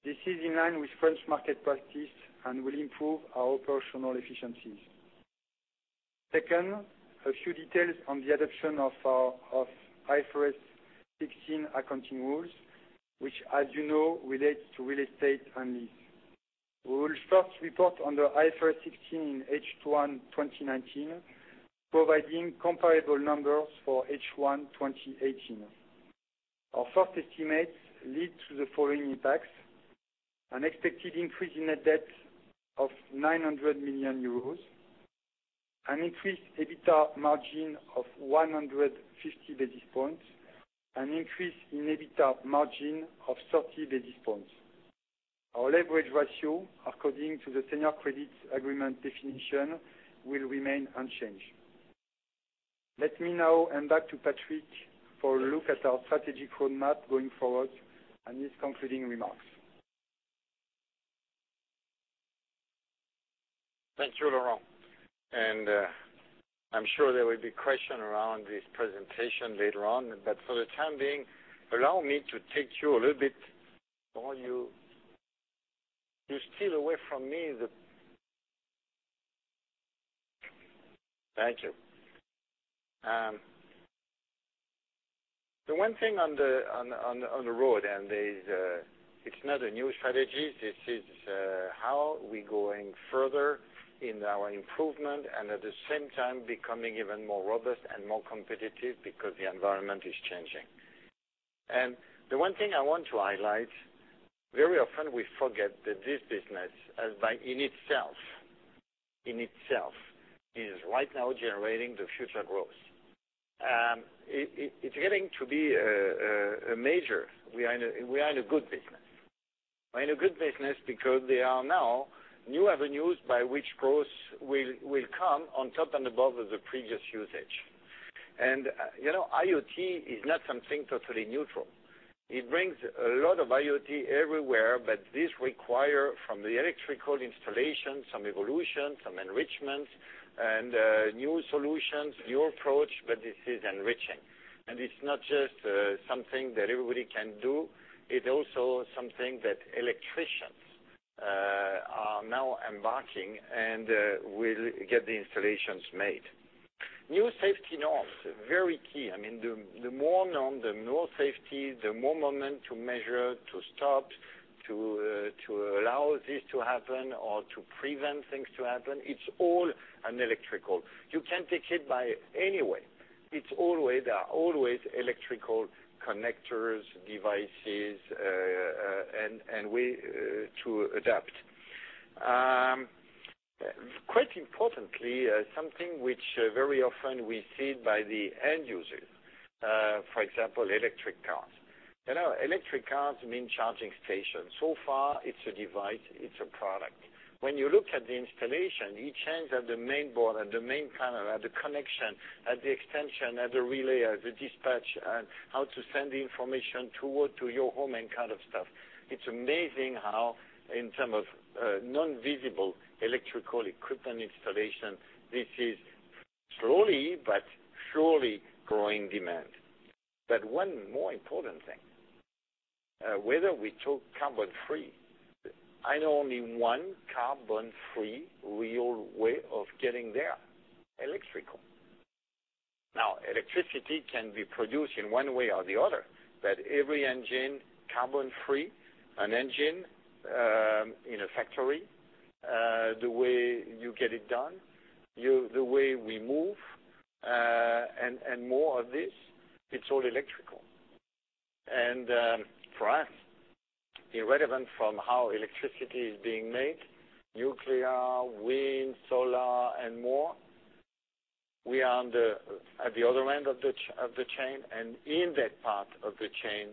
This is in line with French market practice and will improve our operational efficiencies. Second, a few details on the adoption of IFRS 16 accounting rules, which as you know, relates to real estate and lease. We will first report on the IFRS 16 in H1 2019, providing comparable numbers for H1 2018. Our first estimates lead to the following impacts: an expected increase in net debt of 900 million euros, an increased EBITDA margin of 150 basis points, an increase in EBITDA margin of 30 basis points. Our leverage ratio, according to the senior credit agreement definition, will remain unchanged. Let me now hand back to Patrick for a look at our strategic roadmap going forward, and his concluding remarks. Thank you, Laurent. I'm sure there will be question around this presentation later on, but for the time being, allow me to take you a little bit more. Thank you. The one thing on the road, it's not a new strategy. This is how we going further in our improvement and at the same time becoming even more robust and more competitive because the environment is changing. The one thing I want to highlight, very often we forget that this business, in itself, is right now generating the future growth. It's getting to be a major. We are in a good business. We're in a good business because there are now new avenues by which growth will come on top and above of the previous usage. IoT is not something totally neutral. It brings a lot of IoT everywhere, this require, from the electrical installation, some evolution, some enrichment, new solutions, new approach, this is enriching. It's not just something that everybody can do. It's also something that electricians are now embarking and will get the installations made. New safety norms, very key. The more norm, the more safety, the more moment to measure, to stop, to allow this to happen or to prevent things to happen. It's all an electrical. You can't take it by any way. There are always electrical connectors, devices, and way to adapt. Quite importantly, something which very often we see it by the end user. For example, electric cars. Electric cars mean charging stations. So far, it's a device, it's a product. When you look at the installation, it changes at the main board, at the main panel, at the connection, at the extension, at the relay, at the dispatch, and how to send the information to your home and kind of stuff. It's amazing how, in terms of non-visible electrical equipment installation, this is slowly but surely growing demand. One more important thing, whether we talk carbon-free, I know only one carbon-free real way of getting there, electrical. Now, electricity can be produced in one way or the other, but every engine carbon-free, an engine in a factory, the way you get it done, the way we move, and more of this, it's all electrical. For us, irrelevant from how electricity is being made, nuclear, wind, solar, and more, we are at the other end of the chain, and in that part of the chain,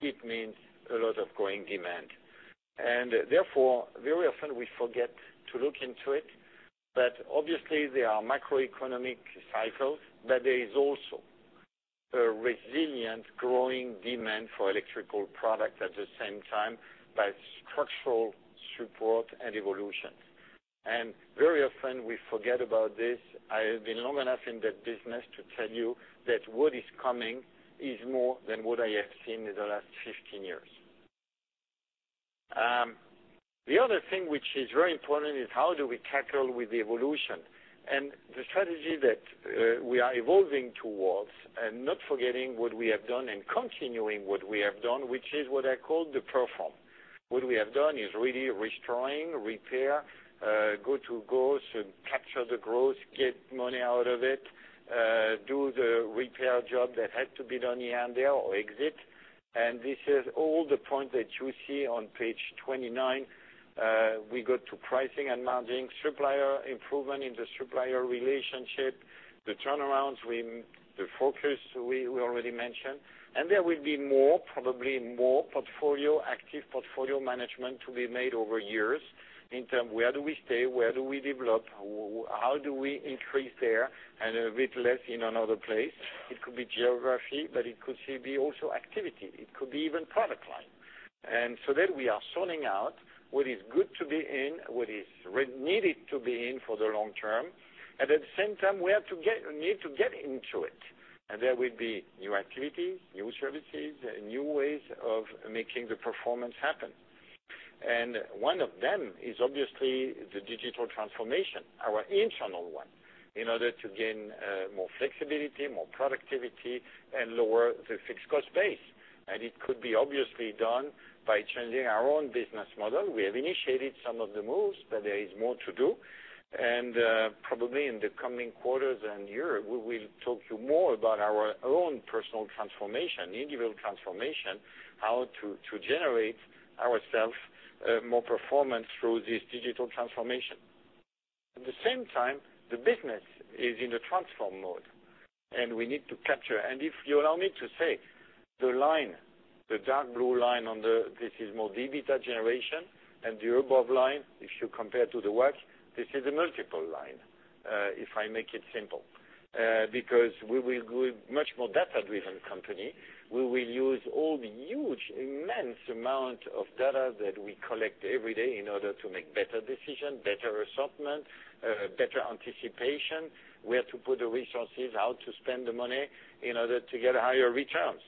it means a lot of growing demand. Therefore, very often we forget to look into it, obviously there are macroeconomic cycles, but there is also a resilient growing demand for electrical product at the same time by structural support and evolution. Very often we forget about this. I have been long enough in that business to tell you that what is coming is more than what I have seen in the last 15 years. The other thing which is very important is how do we tackle with the evolution. The strategy that we are evolving towards and not forgetting what we have done and continuing what we have done, which is what I call the perform. What we have done is really restoring, repair, go to growth and capture the growth, get money out of it, do the repair job that had to be done here and there or exit. This is all the point that you see on page 29. We go to pricing and margin, supplier improvement in the supplier relationship, the turnarounds, the focus we already mentioned. There will be more, probably more active portfolio management to be made over years in terms of where do we stay, where do we develop, how do we increase there and a bit less in another place. It could be geography, but it could be also activity. It could be even product line. We are sorting out what is good to be in, what is needed to be in for the long term. At the same time, we need to get into it. There will be new activities, new services, new ways of making the performance happen. One of them is obviously the digital transformation, our internal one, in order to gain more flexibility, more productivity, and lower the fixed cost base. It could be obviously done by changing our own business model. We have initiated some of the moves, but there is more to do. Probably in the coming quarters and year, we will talk to you more about our own personal transformation, individual transformation, how to generate ourselves more performance through this digital transformation. At the same time, the business is in a transform mode, and we need to capture. If you allow me to say, the line, the dark blue line on the, this is more EBITDA generation and the above line, if you compare to the work, this is a multiple line, if I make it simple. We will be much more data-driven company. We will use all the huge, immense amount of data that we collect every day in order to make better decision, better assortment, better anticipation, where to put the resources, how to spend the money in order to get higher returns.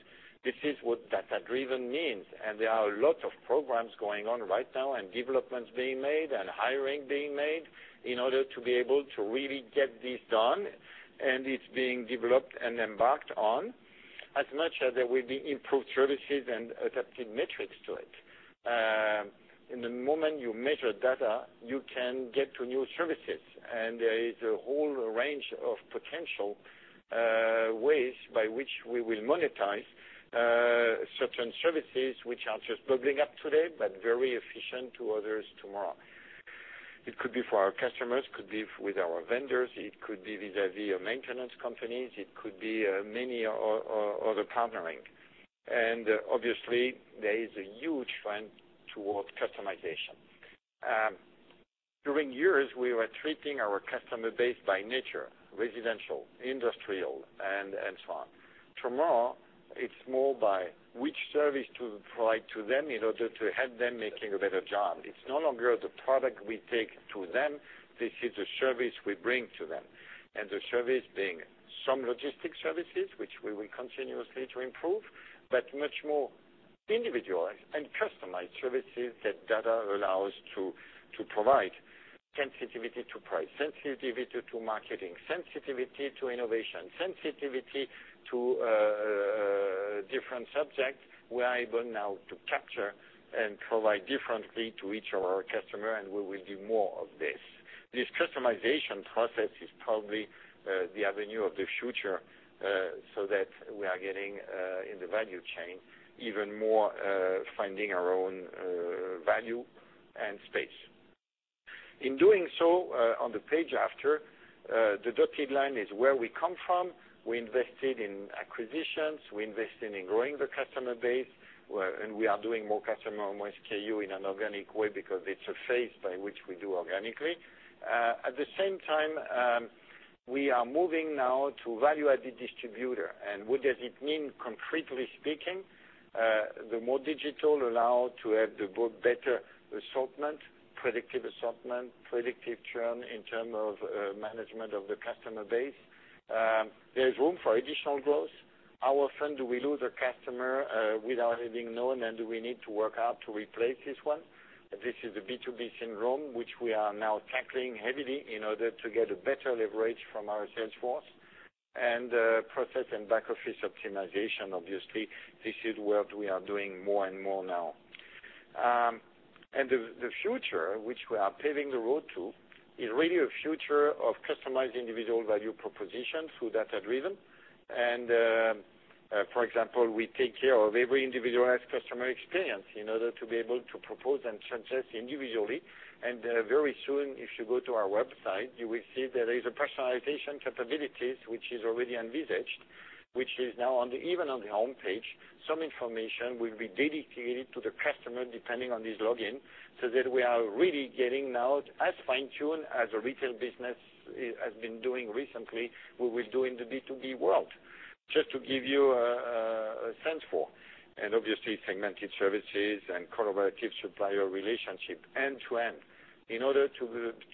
This is what data-driven means, and there are a lot of programs going on right now and developments being made and hiring being made in order to be able to really get this done. It's being developed and embarked on as much as there will be improved services and adapted metrics to it. The moment you measure data, you can get to new services. There is a whole range of potential ways by which we will monetize certain services, which are just bubbling up today, but very efficient to others tomorrow. It could be for our customers, could be with our vendors, it could be vis-à-vis maintenance companies, it could be many other partnering. Obviously, there is a huge trend towards customization. During years, we were treating our customer base by nature, residential, industrial, and so on. Tomorrow, it's more by which service to provide to them in order to help them making a better job. It's no longer the product we take to them. This is the service we bring to them. The service being some logistic services, which we will continuously to improve, but much more individualized and customized services that data allow us to provide. Sensitivity to price, sensitivity to marketing, sensitivity to innovation, sensitivity to different subjects. We are able now to capture and provide differently to each of our customer, and we will do more of this. This customization process is probably the avenue of the future, so that we are getting in the value chain, even more finding our own value and space. In doing so, on the page after, the dotted line is where we come from. We invested in acquisitions, we invested in growing the customer base, and we are doing more customer, more SKU in an organic way because it's a phase by which we do organically. At the same time, we are moving now to value-added distributor. What does it mean concretely speaking? The more digital allow to have the both better assortment, predictive assortment, predictive churn in term of management of the customer base. There's room for additional growth. How often do we lose a customer without it being known, and do we need to work out to replace this one? This is the B2B syndrome, which we are now tackling heavily in order to get a better leverage from our sales force and process and back office optimization, obviously. This is what we are doing more and more now. The future, which we are paving the road to, is really a future of customized individual value proposition through data driven. For example, we take care of every individualized customer experience in order to be able to propose and suggest individually. Very soon, if you go to our website, you will see there is a personalization capabilities, which is already envisaged, which is now even on the homepage. Some information will be dedicated to the customer depending on his login, so that we are really getting now as fine-tuned as a retail business has been doing recently, we will do in the B2B world, just to give you a sense for. Obviously, segmented services and collaborative supplier relationship end-to-end in order to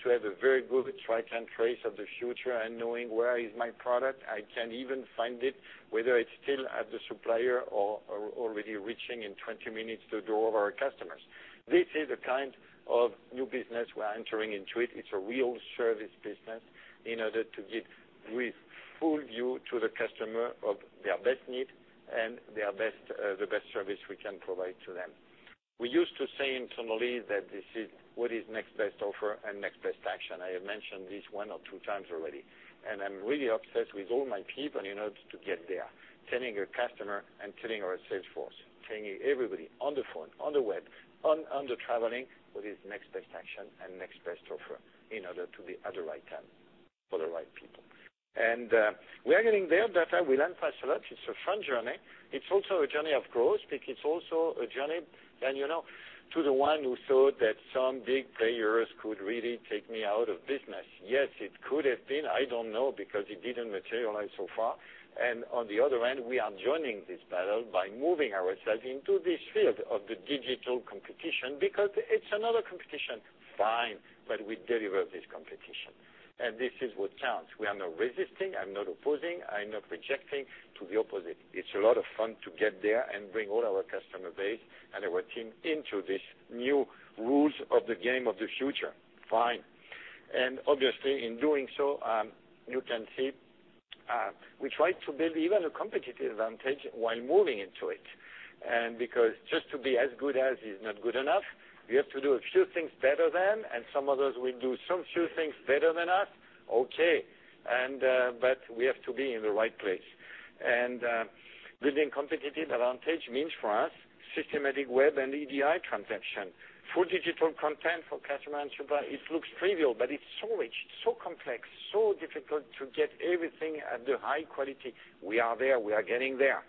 have a very good track and trace of the future and knowing where is my product. I can even find it whether it's still at the supplier or already reaching in 20 minutes to door of our customers. This is the kind of new business we are entering into. It's a real service business in order to give with full view to the customer of their best need and the best service we can provide to them. We used to say internally that this is what is next best offer and next best action. I have mentioned this one or two times already, and I'm really obsessed with all my people in order to get there, telling a customer and telling our sales force, telling everybody on the phone, on the web, on the traveling what is next best action and next best offer in order to be at the right time for the right people. We are getting there, data will emphasize a lot. It's a fun journey. It's also a journey, of course, and you know, to the one who thought that some big players could really take me out of business. Yes, it could have been, I don't know, because it didn't materialize so far. On the other hand, we are joining this battle by moving ourselves into this field of the digital competition because it's another competition. Fine, we deliver this competition. This is what counts. We are not resisting. I'm not opposing. I'm not rejecting to the opposite. It's a lot of fun to get there and bring all our customer base and our team into this new rules of the game of the future. Fine. Obviously, in doing so, you can see, we try to build even a competitive advantage while moving into it. Because just to be as good as is not good enough, we have to do a few things better than, and some others will do some few things better than us. Okay. Building competitive advantage means for us, systematic web and EDI transaction. Full digital content for customer and supplier. It looks trivial, but it's so rich, so complex, so difficult to get everything at the high quality. We are there. We are getting there.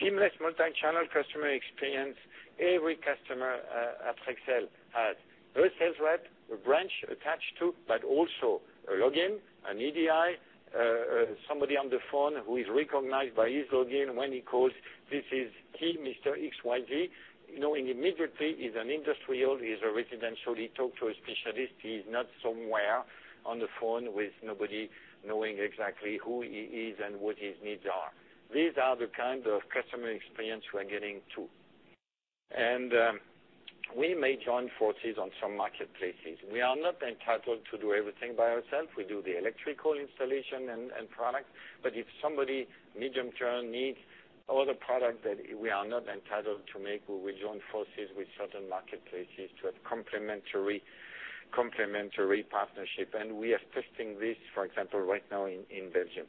Seamless multi-channel customer experience. Every customer at Rexel has a sales rep, a branch attached to, but also a login, an EDI, somebody on the phone who is recognized by his login when he calls. This is he, Mr. XYZ, knowing immediately he's an industrial, he's a residential, he talk to a specialist. He's not somewhere on the phone with nobody knowing exactly who he is and what his needs are. These are the kind of customer experience we're getting to. We may join forces on some marketplaces. We are not entitled to do everything by ourselves. We do the electrical installation and product. If somebody medium-term needs all the product that we are not entitled to make, we will join forces with certain marketplaces to have complementary partnership. We are testing this, for example, right now in Belgium.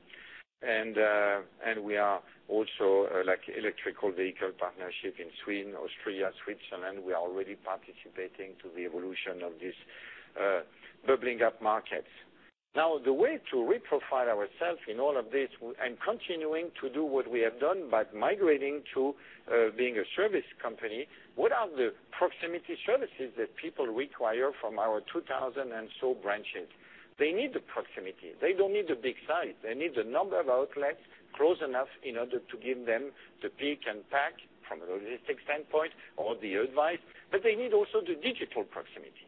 We are also like electrical vehicle partnership in Sweden, Austria, Switzerland. We are already participating to the evolution of this bubbling up markets. Now, the way to reprofile ourselves in all of this, and continuing to do what we have done, but migrating to being a service company. What are the proximity services that people require from our 2,000 and so branches? They need the proximity. They don't need the big size. They need the number of outlets close enough in order to give them the pick and pack from a logistic standpoint or the advice. They need also the digital proximity.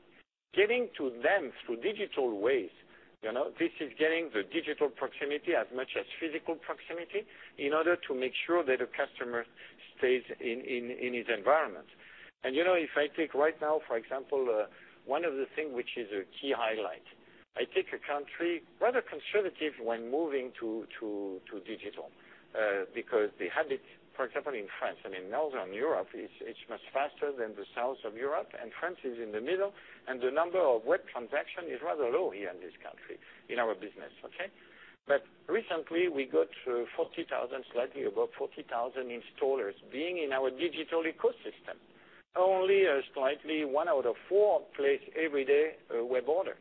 Getting to them through digital ways. This is getting the digital proximity as much as physical proximity in order to make sure that a customer stays in his environment. If I take right now, for example, one of the thing which is a key highlight. I take a country, rather conservative when moving to digital, because they had it, for example, in France and in Northern Europe, it's much faster than the south of Europe, and France is in the middle, and the number of web transaction is rather low here in this country, in our business. Okay? Recently we got 40,000, slightly above 40,000 installers being in our digital ecosystem. Only a slightly one out of four place every day a web order.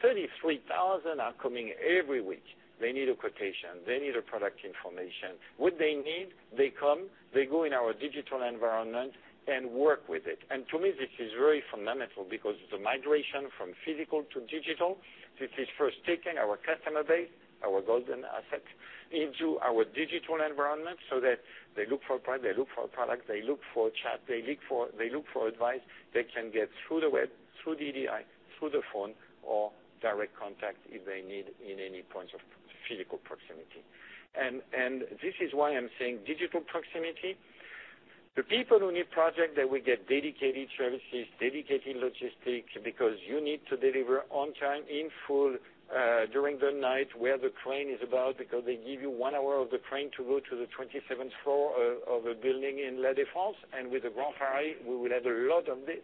33,000 are coming every week. They need a quotation. They need a product information. What they need, they come, they go in our digital environment and work with it. To me, this is very fundamental because the migration from physical to digital, this is first taking our customer base, our golden asset, into our digital environment so that they look for a price, they look for a product, they look for a chat, they look for advice they can get through the web, through DDI, through the phone or direct contact if they need in any point of physical proximity. This is why I'm saying digital proximity. The people who need project that will get dedicated services, dedicated logistics, because you need to deliver on time, in full, during the night where the crane is about because they give you one hour of the crane to go to the 27th floor of a building in La Défense. With the Grand Paris, we will have a lot of this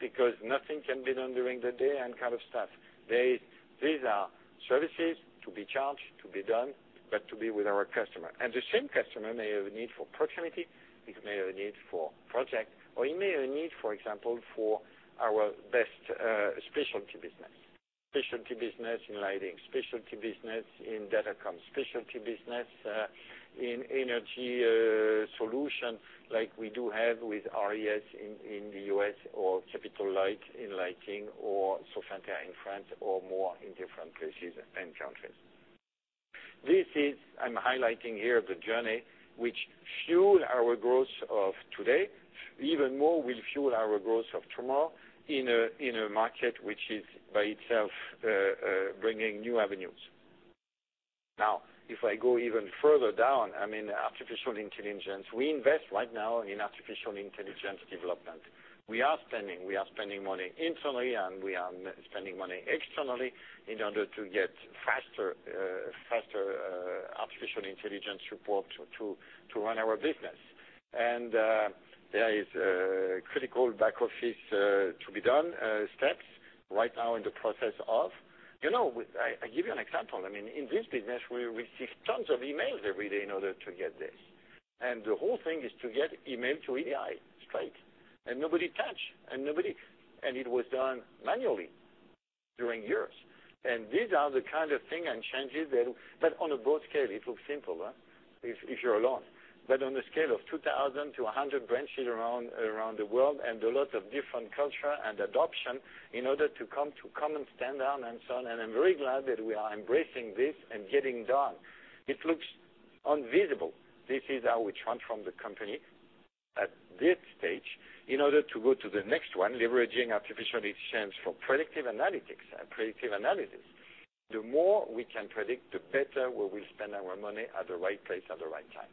because nothing can be done during the day and kind of stuff. These are services to be charged, to be done, but to be with our customer. The same customer may have a need for proximity, he may have a need for project, or he may have a need, for example, for our best specialty business. Specialty business in lighting, specialty business in Datacom, specialty business in energy solution like we do have with RES in the U.S. or Capitol Light in lighting or Sofinther in France or more in different places and countries. This is, I'm highlighting here the journey which fuel our growth of today, even more will fuel our growth of tomorrow in a market which is by itself bringing new avenues. Now, if I go even further down, artificial intelligence. We invest right now in artificial intelligence development. We are spending money internally, we are spending money externally in order to get faster artificial intelligence report to run our business. There is critical back office to be done, steps right now in the process of. I give you an example. In this business, we receive tons of emails every day in order to get this. The whole thing is to get email to AI straight, nobody touch. It was done manually during years. These are the kind of thing and changes that on a broad scale, it looks simple, if you're alone. But on a scale of 2,000 to 100 branches around the world and a lot of different culture and adoption in order to come and stand down and so on, I'm very glad that we are embracing this and getting done. It looks invisible. This is how we transform the company at this stage in order to go to the next one, leveraging artificial intelligence for predictive analytics. The more we can predict, the better we will spend our money at the right place at the right time.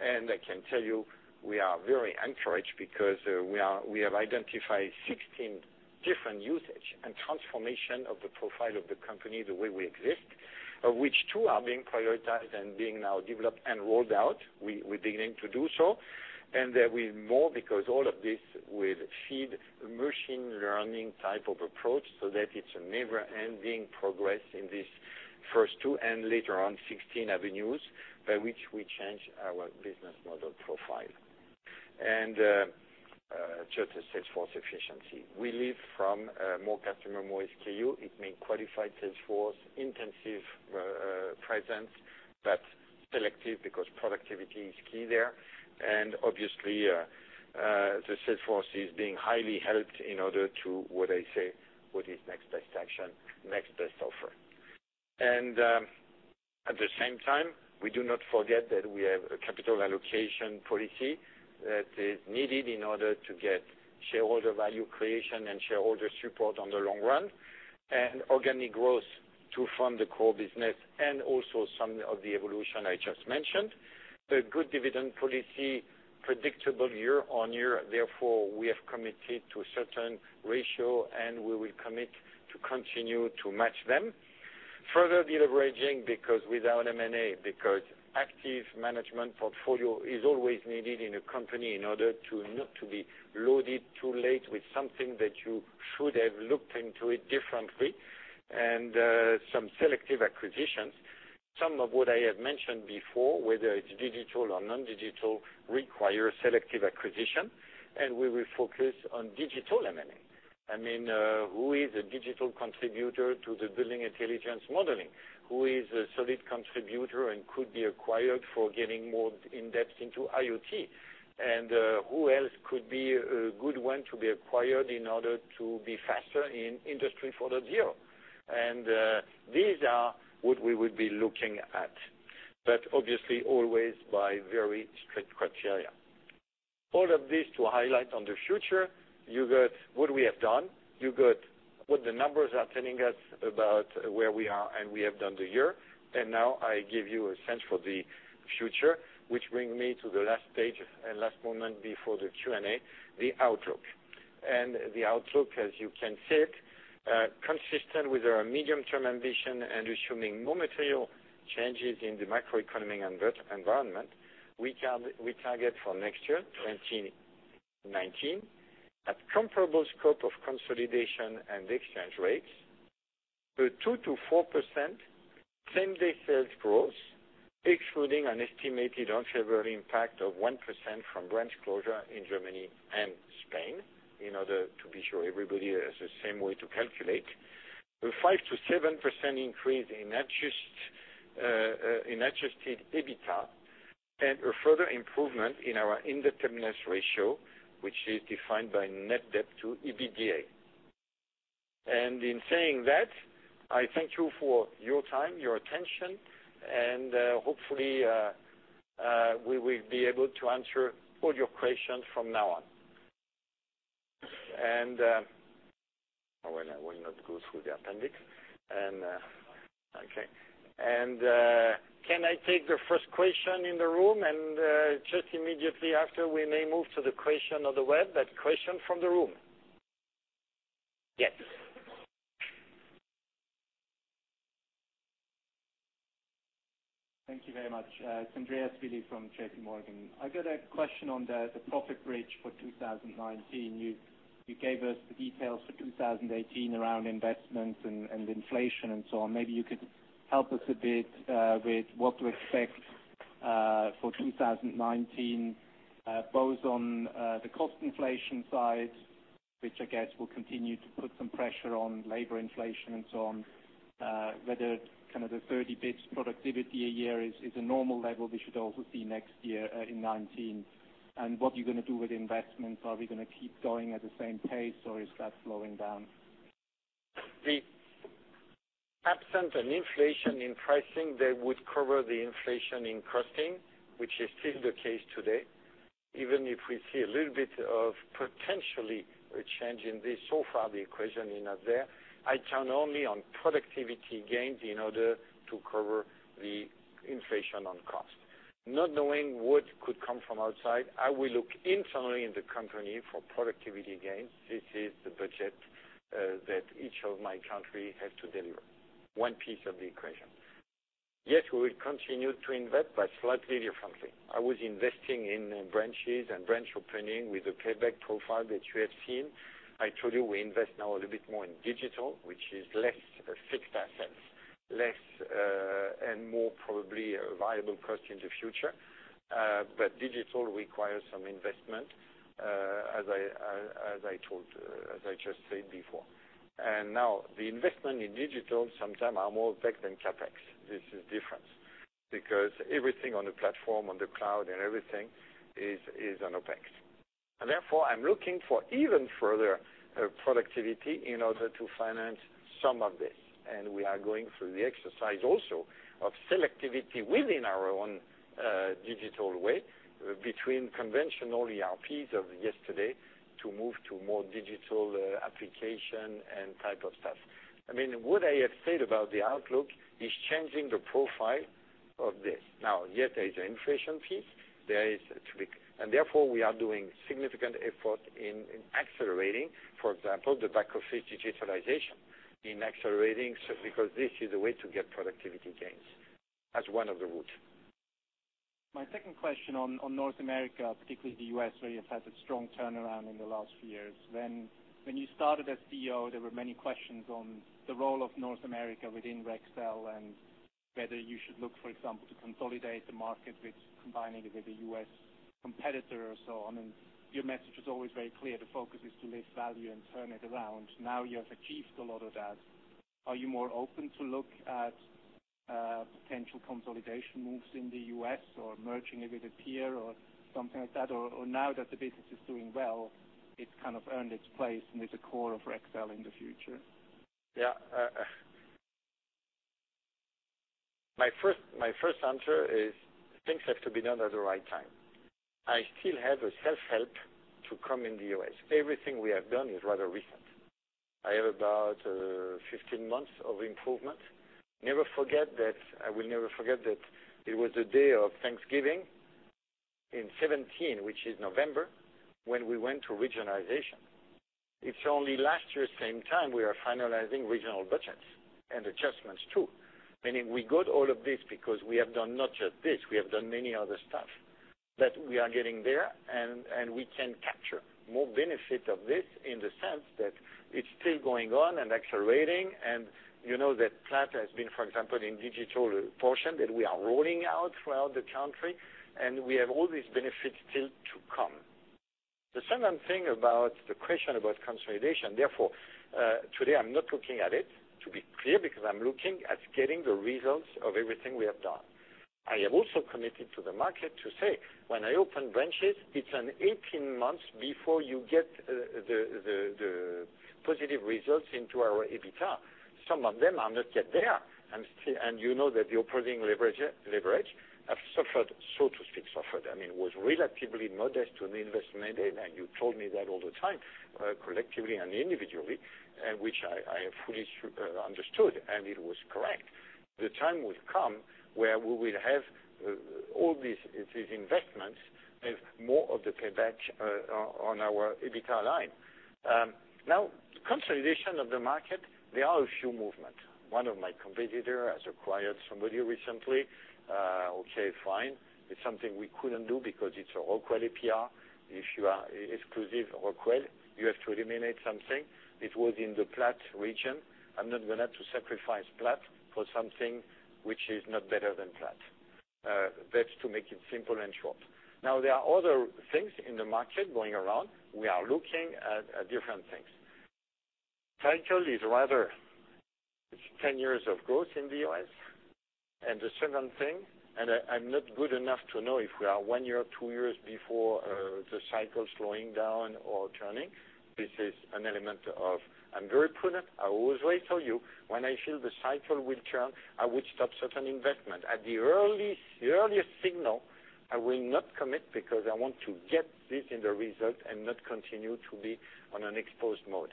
I can tell you, we are very encouraged because we have identified 16 different usage and transformation of the profile of the company the way we exist, which two are being prioritized and being now developed and rolled out. We're beginning to do so. There will be more because all of this will feed machine learning type of approach so that it's a never-ending progress in this first two and later on 16 avenues by which we change our business model profile. Just the sales force efficiency. We live from more customer, more SKU. It means qualified sales force, intensive presence, but selective because productivity is key there. Obviously, the sales force is being highly helped in order to what I say, what is next best action, next best offer. At the same time, we do not forget that we have a capital allocation policy that is needed in order to get shareholder value creation and shareholder support on the long run, organic growth to fund the core business and also some of the evolution I just mentioned. The good dividend policy, predictable year-over-year, therefore, we have committed to a certain ratio and we will commit to continue to match them. Further de-leveraging because without M&A, because active management portfolio is always needed in a company in order to not to be loaded too late with something that you should have looked into it differently, and some selective acquisitions. Some of what I have mentioned before, whether it's digital or non-digital, require selective acquisition, we will focus on digital M&A. Who is a digital contributor to the building intelligence modeling? Who is a solid contributor and could be acquired for getting more in-depth into IoT? Who else could be a good one to be acquired in order to be faster in Industry 4.0? These are what we would be looking at, but obviously always by very strict criteria. All of this to highlight on the future, you got what we have done, you got what the numbers are telling us about where we are and we have done the year. Now I give you a sense for the future, which bring me to the last page and last moment before the Q&A, the outlook. The outlook, as you can see it, consistent with our medium-term ambition and assuming no material changes in the macroeconomy and environment. We target for next year, 2019, at comparable scope of consolidation and exchange rates, a 2%-4% same-day sales growth, excluding an estimated unfavorable impact of 1% from branch closure in Germany and Spain, in order to be sure everybody has the same way to calculate. A 5%-7% increase in adjusted EBITDA and a further improvement in our indebtedness ratio, which is defined by net debt to EBITDA. In saying that, I thank you for your time, your attention, and hopefully, we will be able to answer all your questions from now on. Well, I will not go through the appendix. Okay. Can I take the first question in the room? Just immediately after, we may move to the question on the web, but question from the room. Yes. Thank you very much. It's Andreas Willi from JPMorgan. I got a question on the profit bridge for 2019. You gave us the details for 2018 around investments and inflation and so on. Maybe you could help us a bit with what to expect for 2019, both on the cost inflation side, which I guess will continue to put some pressure on labor inflation and so on, whether kind of the 30 basis points productivity a year is a normal level we should also see next year in 2019. What you're going to do with investments. Are we going to keep going at the same pace or is that slowing down? Absent an inflation in pricing that would cover the inflation in costing, which is still the case today. Even if we see a little bit of potentially a change in this, so far, the equation is not there. I count only on productivity gains in order to cover the inflation on cost. Not knowing what could come from outside, I will look internally in the company for productivity gains. This is the budget that each of my country has to deliver. One piece of the equation. Yes, we will continue to invest, but slightly differently. I was investing in branches and branch opening with a payback profile that you have seen. I told you we invest now a little bit more in digital, which is less fixed assets. Less, and more probably a variable cost in the future. Digital requires some investment, as I just said before. The investment in digital sometimes are more CapEx than OpEx. This is different. Everything on the platform, on the cloud, and everything is on OpEx. Therefore, I'm looking for even further productivity in order to finance some of this. We are going through the exercise also of selectivity within our own digital way between conventional ERPs of yesterday to move to more digital application and type of stuff. What I have said about the outlook is changing the profile of this. Yet there is an inflation piece. Therefore, we are doing significant effort in accelerating, for example, the back-office digitalization in accelerating because this is a way to get productivity gains as one of the route. My second question on North America, particularly the U.S., where you've had a strong turnaround in the last few years. When you started as CEO, there were many questions on the role of North America within Rexel and whether you should look, for example, to consolidate the market with combining it with a U.S. competitor or so on, your message was always very clear. The focus is to lift value and turn it around. You have achieved a lot of that. Are you more open to look at potential consolidation moves in the U.S. or merging it with a peer or something like that? Now that the business is doing well, it's kind of earned its place and is a core of Rexel in the future? My first answer is things have to be done at the right time. I still have a self-help to come in the U.S. Everything we have done is rather recent. I have about 15 months of improvement. I will never forget that it was the day of Thanksgiving in 2017, which is November, when we went to regionalization. It's only last year, same time, we are finalizing regional budgets and adjustments too. Meaning we got all of this because we have done not just this, we have done many other stuff. We are getting there, and we can capture more benefit of this in the sense that it's still going on and accelerating. You know that Platt has been, for example, in digital portion that we are rolling out throughout the country, and we have all these benefits still to come. The second thing about the question about consolidation, today, I'm not looking at it, to be clear, because I'm looking at getting the results of everything we have done. I have also committed to the market to say, when I open branches, it's an 18 months before you get the positive results into our EBITDA. Some of them are not yet there. You know that the operating leverage have suffered, so to speak, suffered. It was relatively modest to the investment made, you told me that all the time, collectively and individually, which I fully understood, it was correct. The time will come where we will have all these investments have more of the payback on our EBITDA line. Consolidation of the market, there are a few movement. One of my competitor has acquired somebody recently. Okay, fine. It's something we couldn't do because it's a Rockwell Automation APR. If you are exclusive Rockwell Automation, you have to eliminate something. It was in the Platt region. I'm not going to sacrifice Platt for something which is not better than Platt. That's to make it simple and short. Now, there are other things in the market going around. We are looking at different things. Cycle is rather 10 years of growth in the U.S. The second thing, I'm not good enough to know if we are one year, two years before the cycle slowing down or turning. This is an element of, I'm very prudent. I always tell you, when I feel the cycle will turn, I would stop certain investment. At the earliest signal, I will not commit because I want to get this in the result and not continue to be on an exposed mode.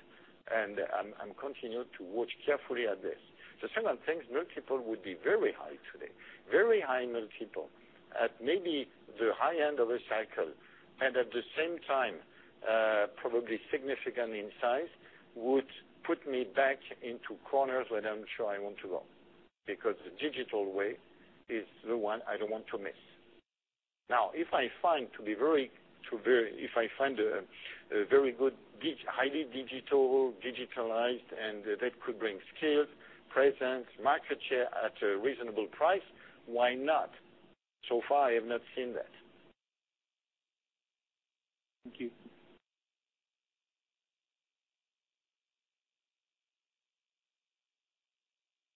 I'm continued to watch carefully at this. The second thing, multiple would be very high today, very high multiple. At maybe the high end of a cycle, at the same time, probably significant in size, would put me back into corners where I'm sure I want to go, because the digital way is the one I don't want to miss. If I find a very good, highly digital, digitalized, that could bring skills, presence, market share at a reasonable price, why not? So far, I have not seen that. Thank you.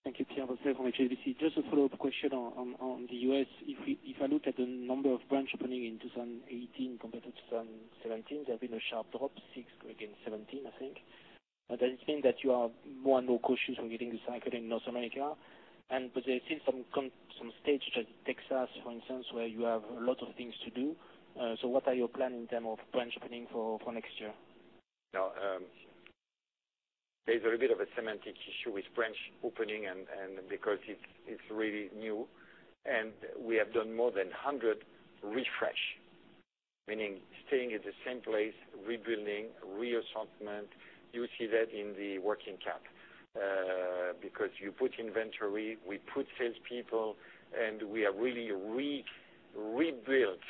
Thank you. Pierre Boushra from HSBC. Just a follow-up question on the U.S. If I look at the number of branch opening in 2018 compared to 2017, there have been a sharp drop, six against 17, I think. I think that you are more and more cautious on getting the cycle in North America. There is still some stage, Texas, for instance, where you have a lot of things to do. What are your plan in term of branch opening for next year? There's a bit of a semantic issue with branch opening because it's really new. We have done more than 100 refresh, meaning staying at the same place, rebuilding, reassortment. You see that in the working cap. You put inventory, we put sales people, and we are really rebuilt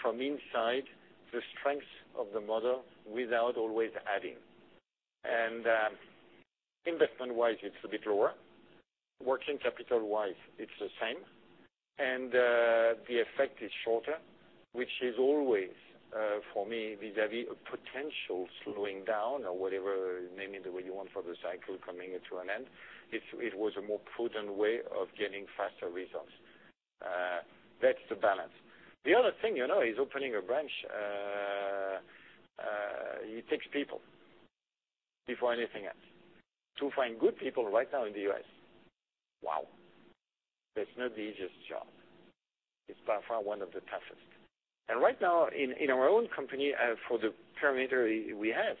from inside the strength of the model without always adding. Investment-wise, it's a bit lower. Working capital-wise, it's the same. The effect is shorter, which is always for me, vis-à-vis a potential slowing down or whatever, name it the way you want for the cycle coming to an end. It was a more prudent way of getting faster results. That's the balance. The other thing you know, is opening a branch. It takes people before anything else. To find good people right now in the U.S., wow, that's not the easiest job. It's by far one of the toughest. Right now, in our own company, for the parameter we have,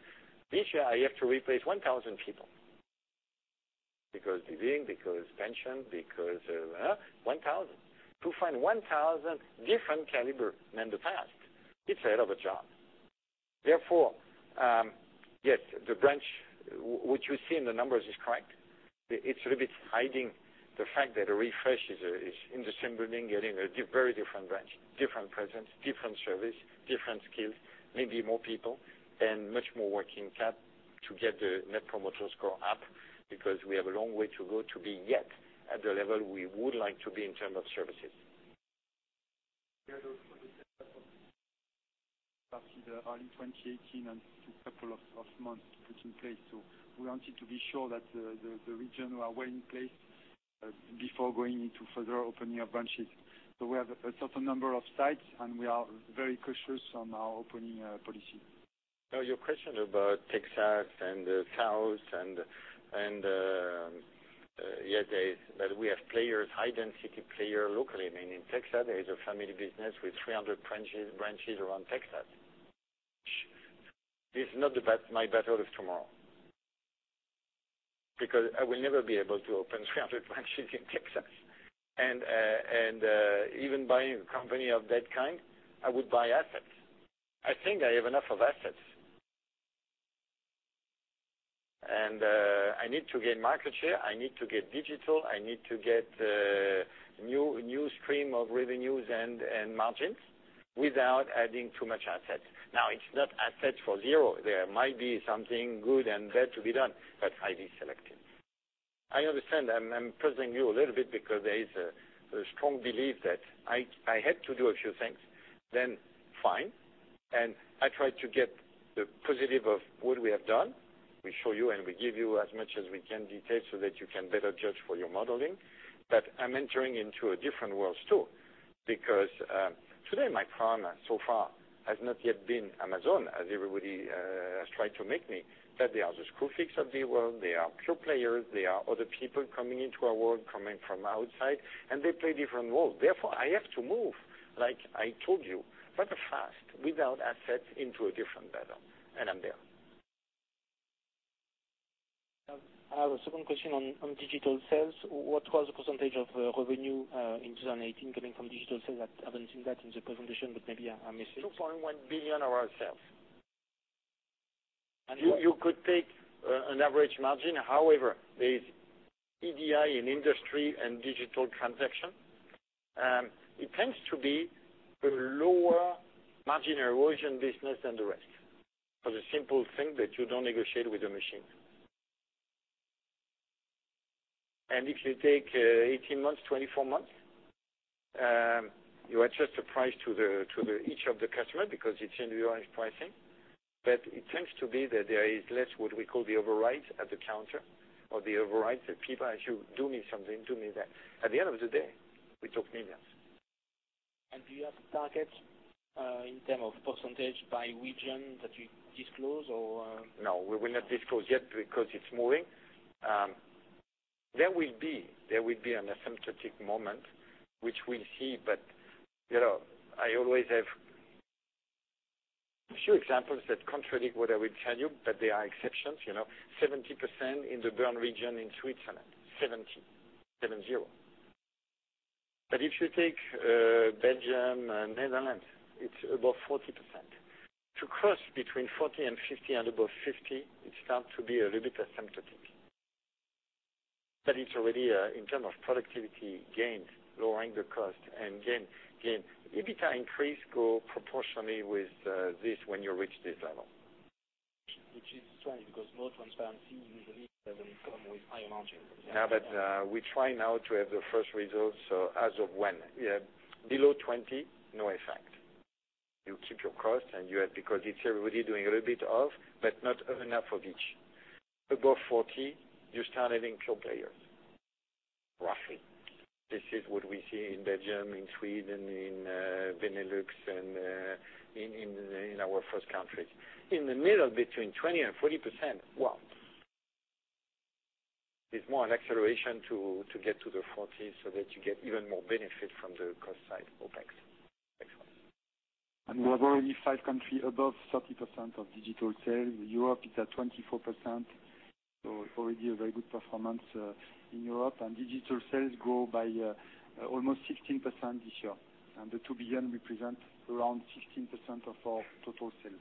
this year, I have to replace 1,000 people because leaving, because pension, because 1,000. To find 1,000 different caliber than the past, it's a hell of a job. Yes, the branch, what you see in the numbers is correct. It's a bit hiding the fact that a refresh is industry building, getting a very different branch, different presence, different service, different skills, maybe more people, and much more working cap to get the Net Promoter Score up because we have a long way to go to be yet at the level we would like to be in term of services. Probably the early 2018 and took couple of months to put in place. We wanted to be sure that the region were well in place before going into further opening of branches. We have a certain number of sites, and we are very cautious on our opening policy. Your question about Texas and the South, yes, that we have players, high-density player locally. I mean, in Texas, there is a family business with 300 branches around Texas. This is not my battle of tomorrow. I will never be able to open 300 branches in Texas. Even buying a company of that kind, I would buy assets. I think I have enough of assets. I need to gain market share, I need to get digital, I need to get a new stream of revenues and margins without adding too much assets. It's not assets for zero. There might be something good and bad to be done, but highly selective. I understand I'm pressing you a little bit because there is a strong belief that I had to do a few things, then fine. I tried to get the positive of what we have done. We show you and we give you as much as we can detail so that you can better judge for your modeling. I'm entering into a different world too, because today, my partner, so far, has not yet been Amazon, as everybody has tried to make me. They are the Screwfix of the world, they are pure players, they are other people coming into our world, coming from outside, and they play different roles. I have to move, like I told you, but fast, without assets into a different battle. I'm there. I have a second question on digital sales. What was the percentage of revenue in 2018 coming from digital sales? I haven't seen that in the presentation, but maybe I missed it. 2.1 billion in sales. You could take an average margin. There is EDI in industry and digital transaction. It tends to be a lower margin erosion business than the rest, for the simple thing that you don't negotiate with a machine. If you take 18 months, 24 months, you adjust the price to each of the customer because it's individualized pricing. It tends to be that there is less what we call the override at the counter or the override that people, "You do me something, do me that." At the end of the day, we talk millions. Do you have a target in term of percentage by region that you disclose or? No, we will not disclose yet because it's moving. There will be an asymptotic moment which we'll see, but I always have a few examples that contradict what I will tell you, but they are exceptions. 70% in the Bern region in Switzerland. 70, 7-0. If you take Belgium and Netherlands, it's above 40%. To cross between 40 and 50 and above 50, it starts to be a little bit asymptotic. It's already, in terms of productivity gains, lowering the cost and gain. EBITDA increase go proportionally with this when you reach this level. Which is strange because more transparency usually doesn't come with higher margins. We try now to have the first results as of when. Below 20%, no effect. You keep your cost and you have because it's everybody doing a little bit of, but not enough of each. Above 40%, you start having pure players, roughly. This is what we see in Belgium, in Sweden, in Benelux, and in our first countries. In the middle between 20% and 40%, well, it's more an acceleration to get to the 40% so that you get even more benefit from the cost side OpEx. Excellent. We have already five country above 30% of digital sales. Europe is at 24%, already a very good performance in Europe. Digital sales grow by almost 16% this year. The 2 billion represent around 16% of our total sales.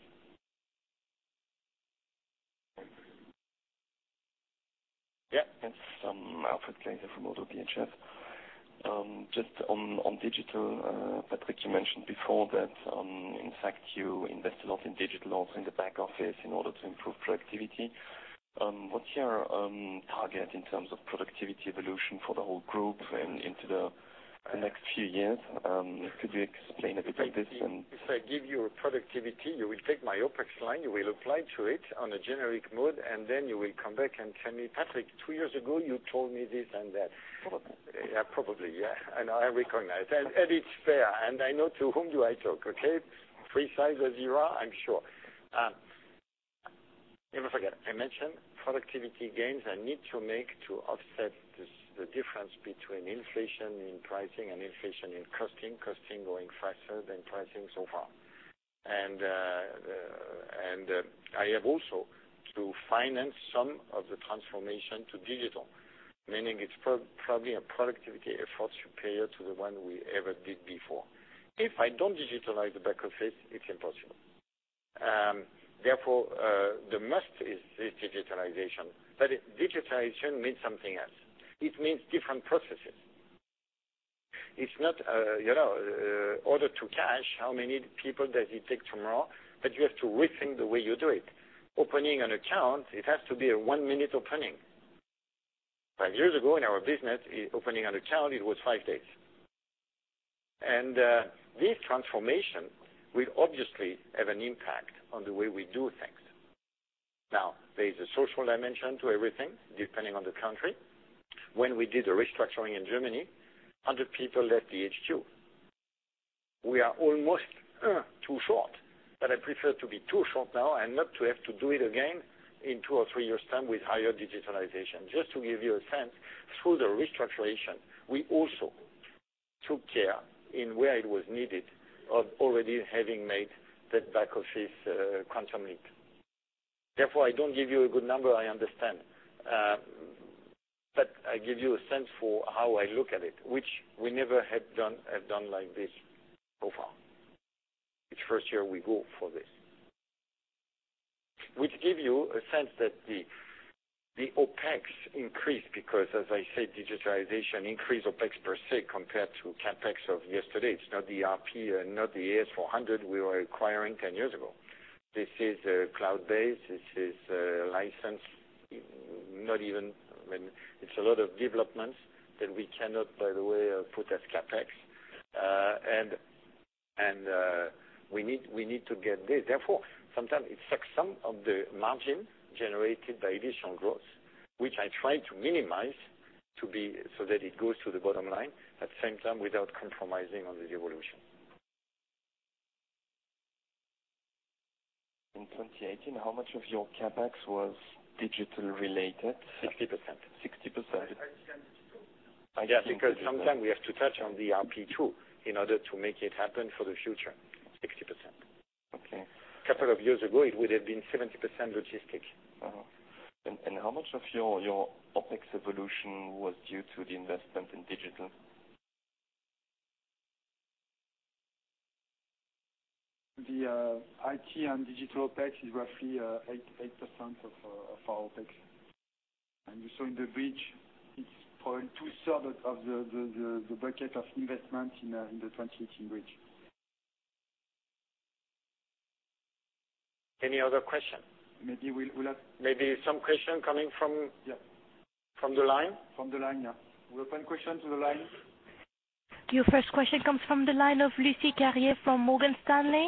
Yeah. It's Alfred Glaser from Oddo BHF. Just on digital, Patrick, you mentioned before that in fact you invest a lot in digital, also in the back office in order to improve productivity. What's your target in terms of productivity evolution for the whole group and into the next few years? Could you explain a bit this? If I give you a productivity, you will take my OpEx line, you will apply to it on a generic mode, and then you will come back and tell me, "Patrick, two years ago, you told me this and that. Probably. Yeah, probably, yeah. I recognize. It's fair, and I know to whom do I talk, okay? Precise as you are, I'm sure. Never forget, I mentioned productivity gains I need to make to offset the difference between inflation in pricing and inflation in costing. Costing going faster than pricing so far. I have also to finance some of the transformation to digital, meaning it's probably a productivity effort superior to the one we ever did before. If I don't digitalize the back office, it's impossible. Therefore, the must is this digitalization. Digitalization means something else. It means different processes. It's not order to cash, how many people does it take tomorrow, but you have to rethink the way you do it. Opening an account, it has to be a one-minute opening. Five years ago in our business, opening an account, it was five days. This transformation will obviously have an impact on the way we do things. Now, there is a social dimension to everything, depending on the country. When we did the restructuring in Germany, 100 people left the HQ. We are almost too short, but I prefer to be too short now and not to have to do it again in two or three years' time with higher digitalization. Just to give you a sense, through the restructuration, we also took care in where it was needed of already having made that back office quantum leap. Therefore, I don't give you a good number, I understand, I give you a sense for how I look at it, which we never have done like this so far. It's first year we go for this. Which give you a sense that the OpEx increased because, as I said, digitalization increased OpEx per se compared to CapEx of yesterday. It's not the ERP and not the AS400 we were acquiring 10 years ago. This is cloud-based, this is licensed, it's a lot of developments that we cannot, by the way, put as CapEx. We need to get there. Therefore, sometimes it sucks some of the margin generated by additional growth, which I try to minimize so that it goes to the bottom line, at the same time without compromising on the evolution. In 2018, how much of your CapEx was digital related? 60%. 60%? IT and digital. Yeah, because sometimes we have to touch on the RP too, in order to make it happen for the future. 60%. Okay. A couple of years ago, it would have been 70% logistic. How much of your OPEX evolution was due to the investment in digital? The IT and digital OPEX is roughly 8% of our OPEX. You saw in the bridge, it's two-third of the bucket of investment in the 2018 bridge. Any other question? Maybe we'll have. Maybe some question coming from. Yeah from the line? From the line, yeah. We open question to the line. Your first question comes from the line of Lucie Carrier from Morgan Stanley.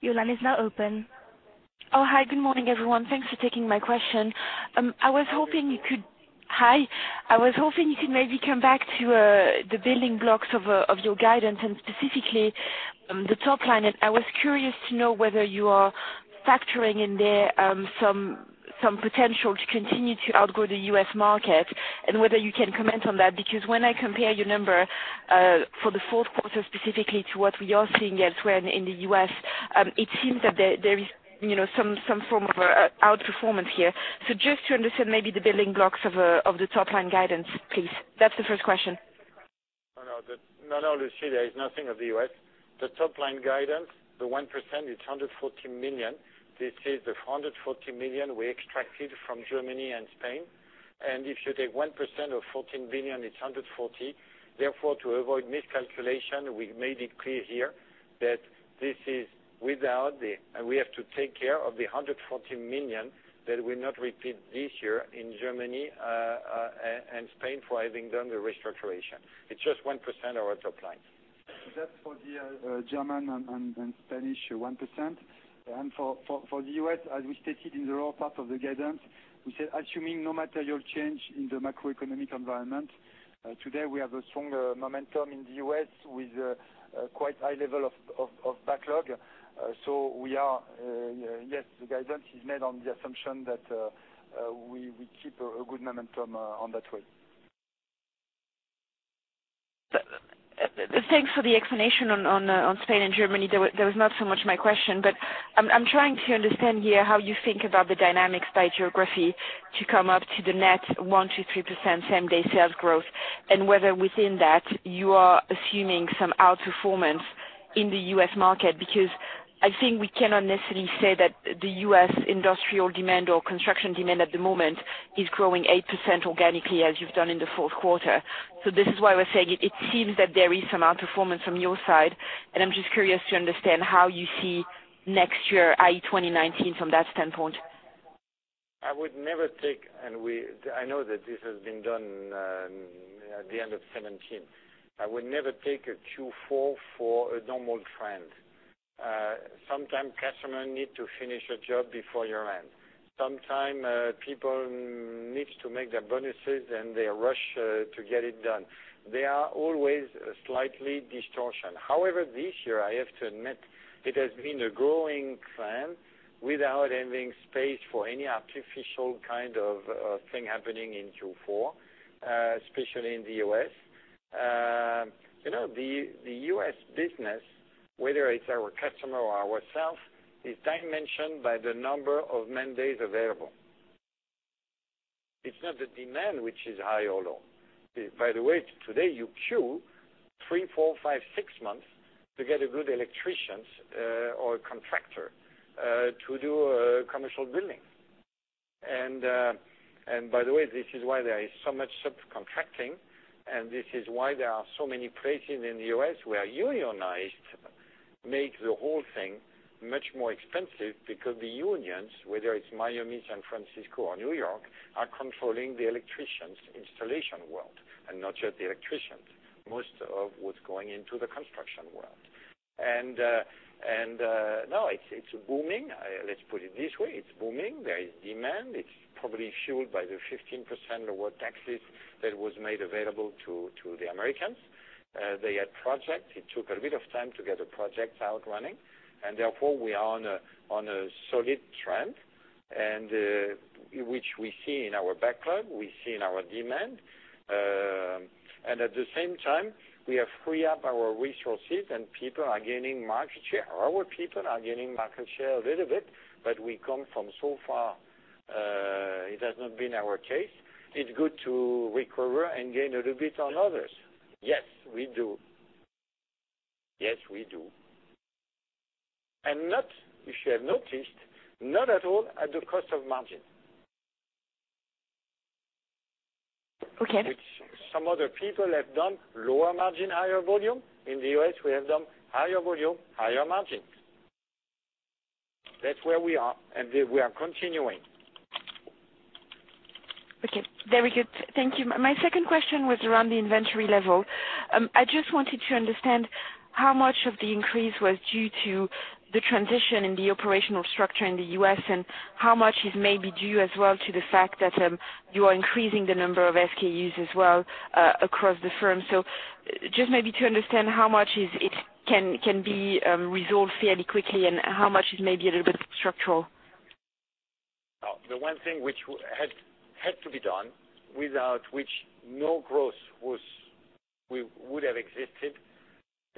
Your line is now open. Oh, hi. Good morning, everyone. Thanks for taking my question. Hi. I was hoping you could maybe come back to the building blocks of your guidance, specifically the top-line. I was curious to know whether you are factoring in there some potential to continue to outgrow the U.S. market, and whether you can comment on that. When I compare your number for the fourth quarter specifically to what we are seeing elsewhere in the U.S., it seems that there is some form of out-performance here. Just to understand maybe the building blocks of the top-line guidance, please. That's the first question. No, Lucie, there is nothing of the U.S. The top-line guidance, the 1%, it's 140 million. This is the 140 million we extracted from Germany and Spain. If you take 1% of 14 billion, it's 140. To avoid miscalculation, we made it clear here that we have to take care of the 140 million that will not repeat this year in Germany and Spain for having done the restoration. It's just 1% of our top-line. That's for the German and Spanish 1%. For the U.S., as we stated in the raw part of the guidance, we said assuming no material change in the macroeconomic environment, today we have a stronger momentum in the U.S. with quite high level of backlog. Yes, the guidance is made on the assumption that we keep a good momentum on that way. Thanks for the explanation on Spain and Germany. That was not so much my question. I'm trying to understand here how you think about the dynamics by geography to come up to the net 1%-3% same-day sales growth, and whether within that you are assuming some out-performance in the U.S. market. I think we cannot necessarily say that the U.S. industrial demand or construction demand at the moment is growing 8% organically as you've done in the fourth quarter. This is why I was saying it seems that there is some out-performance from your side, and I'm just curious to understand how you see next year, i.e., 2019 from that standpoint. I know that this has been done at the end of 2017. I would never take a Q4 for a normal trend. Sometime customer need to finish a job before year-end. Sometime people need to make their bonuses and they rush to get it done. They are always slightly distortion. However, this year, I have to admit it has been a growing trend without having space for any artificial kind of thing happening in Q4, especially in the U.S. The U.S. business, whether it's our customer or ourself, is dimensioned by the number of man days available. It's not the demand which is high or low. By the way, today, you queue three, four, five, six months to get a good electrician or contractor to do a commercial building. By the way, this is why there is so much subcontracting, and this is why there are so many places in the U.S. where unionized make the whole thing much more expensive because the unions, whether it's Miami, San Francisco, or New York, are controlling the electricians installation world, and not just the electricians. Most of what's going into the construction world. Now it's booming. Let's put it this way, it's booming. There is demand. It's probably fueled by the 15% of what taxes that was made available to the Americans. They had projects. It took a bit of time to get the projects out running, therefore, we are on a solid trend, which we see in our backlog, we see in our demand. At the same time, we have free up our resources and people are gaining market share. Our people are gaining market share a little bit, We come from so far, it has not been our case. It's good to recover and gain a little bit on others. Yes, we do. Yes, we do. Not, if you have noticed, not at all at the cost of margin. Okay. Which some other people have done lower margin, higher volume. In the U.S., we have done higher volume, higher margin. That's where we are, We are continuing. Okay. Very good. Thank you. My second question was around the inventory level. I just wanted to understand how much of the increase was due to the transition in the operational structure in the U.S., and how much is maybe due as well to the fact that you are increasing the number of SKUs as well across the firm. Just maybe to understand how much can be resolved fairly quickly, and how much is maybe a little bit structural. The one thing which had to be done, without which no growth would have existed.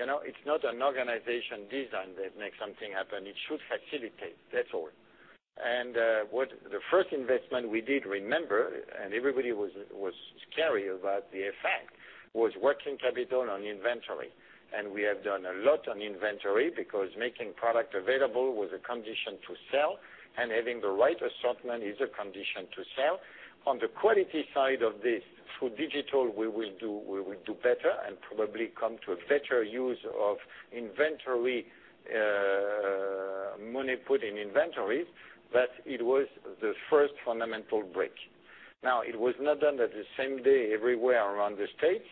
It's not an organization design that makes something happen. It should facilitate. That's all. The first investment we did, remember, and everybody was scary about the effect, was working capital on inventory. We have done a lot on inventory because making product available was a condition to sell, and having the right assortment is a condition to sell. On the quality side of this, through digital, we will do better and probably come to a better use of inventory, money put in inventories, it was the first fundamental break. Now, it was not done at the same day everywhere around the States.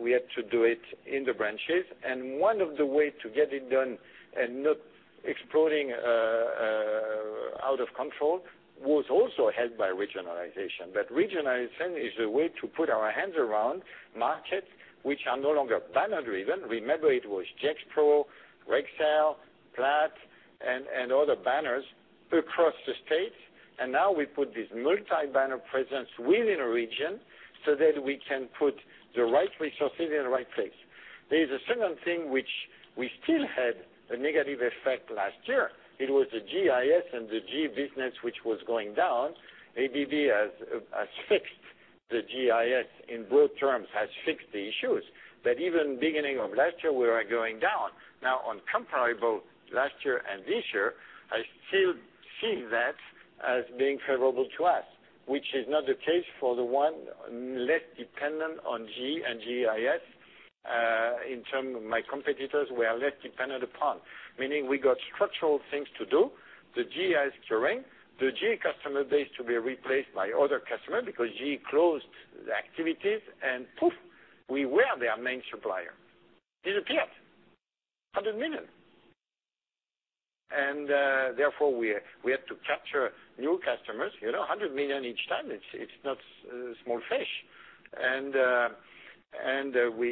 We had to do it in the branches. One of the way to get it done and not exploding out of control was also helped by regionalization. Regionalization is a way to put our hands around markets which are no longer banner-driven. Remember, it was Gexpro, Rexel, Platt, and other banners across the States. Now we put this multi-banner presence within a region so that we can put the right resources in the right place. There is a second thing which we still had a negative effect last year. It was the GIS and the GE business, which was going down. ABB has fixed the GIS, in broad terms, has fixed the issues. Even beginning of last year, we were going down. Now on comparable last year and this year, I still see that as being favorable to us, which is not the case for the one less dependent on GE and GIS. In terms of my competitors, we are less dependent upon, meaning we got structural things to do, the GIS terrain, the GE customer base to be replaced by other customer because GE closed the activities and poof, we were their main supplier. Disappeared. EUR 100 million. Therefore we had to capture new customers, 100 million each time. It's not small fish.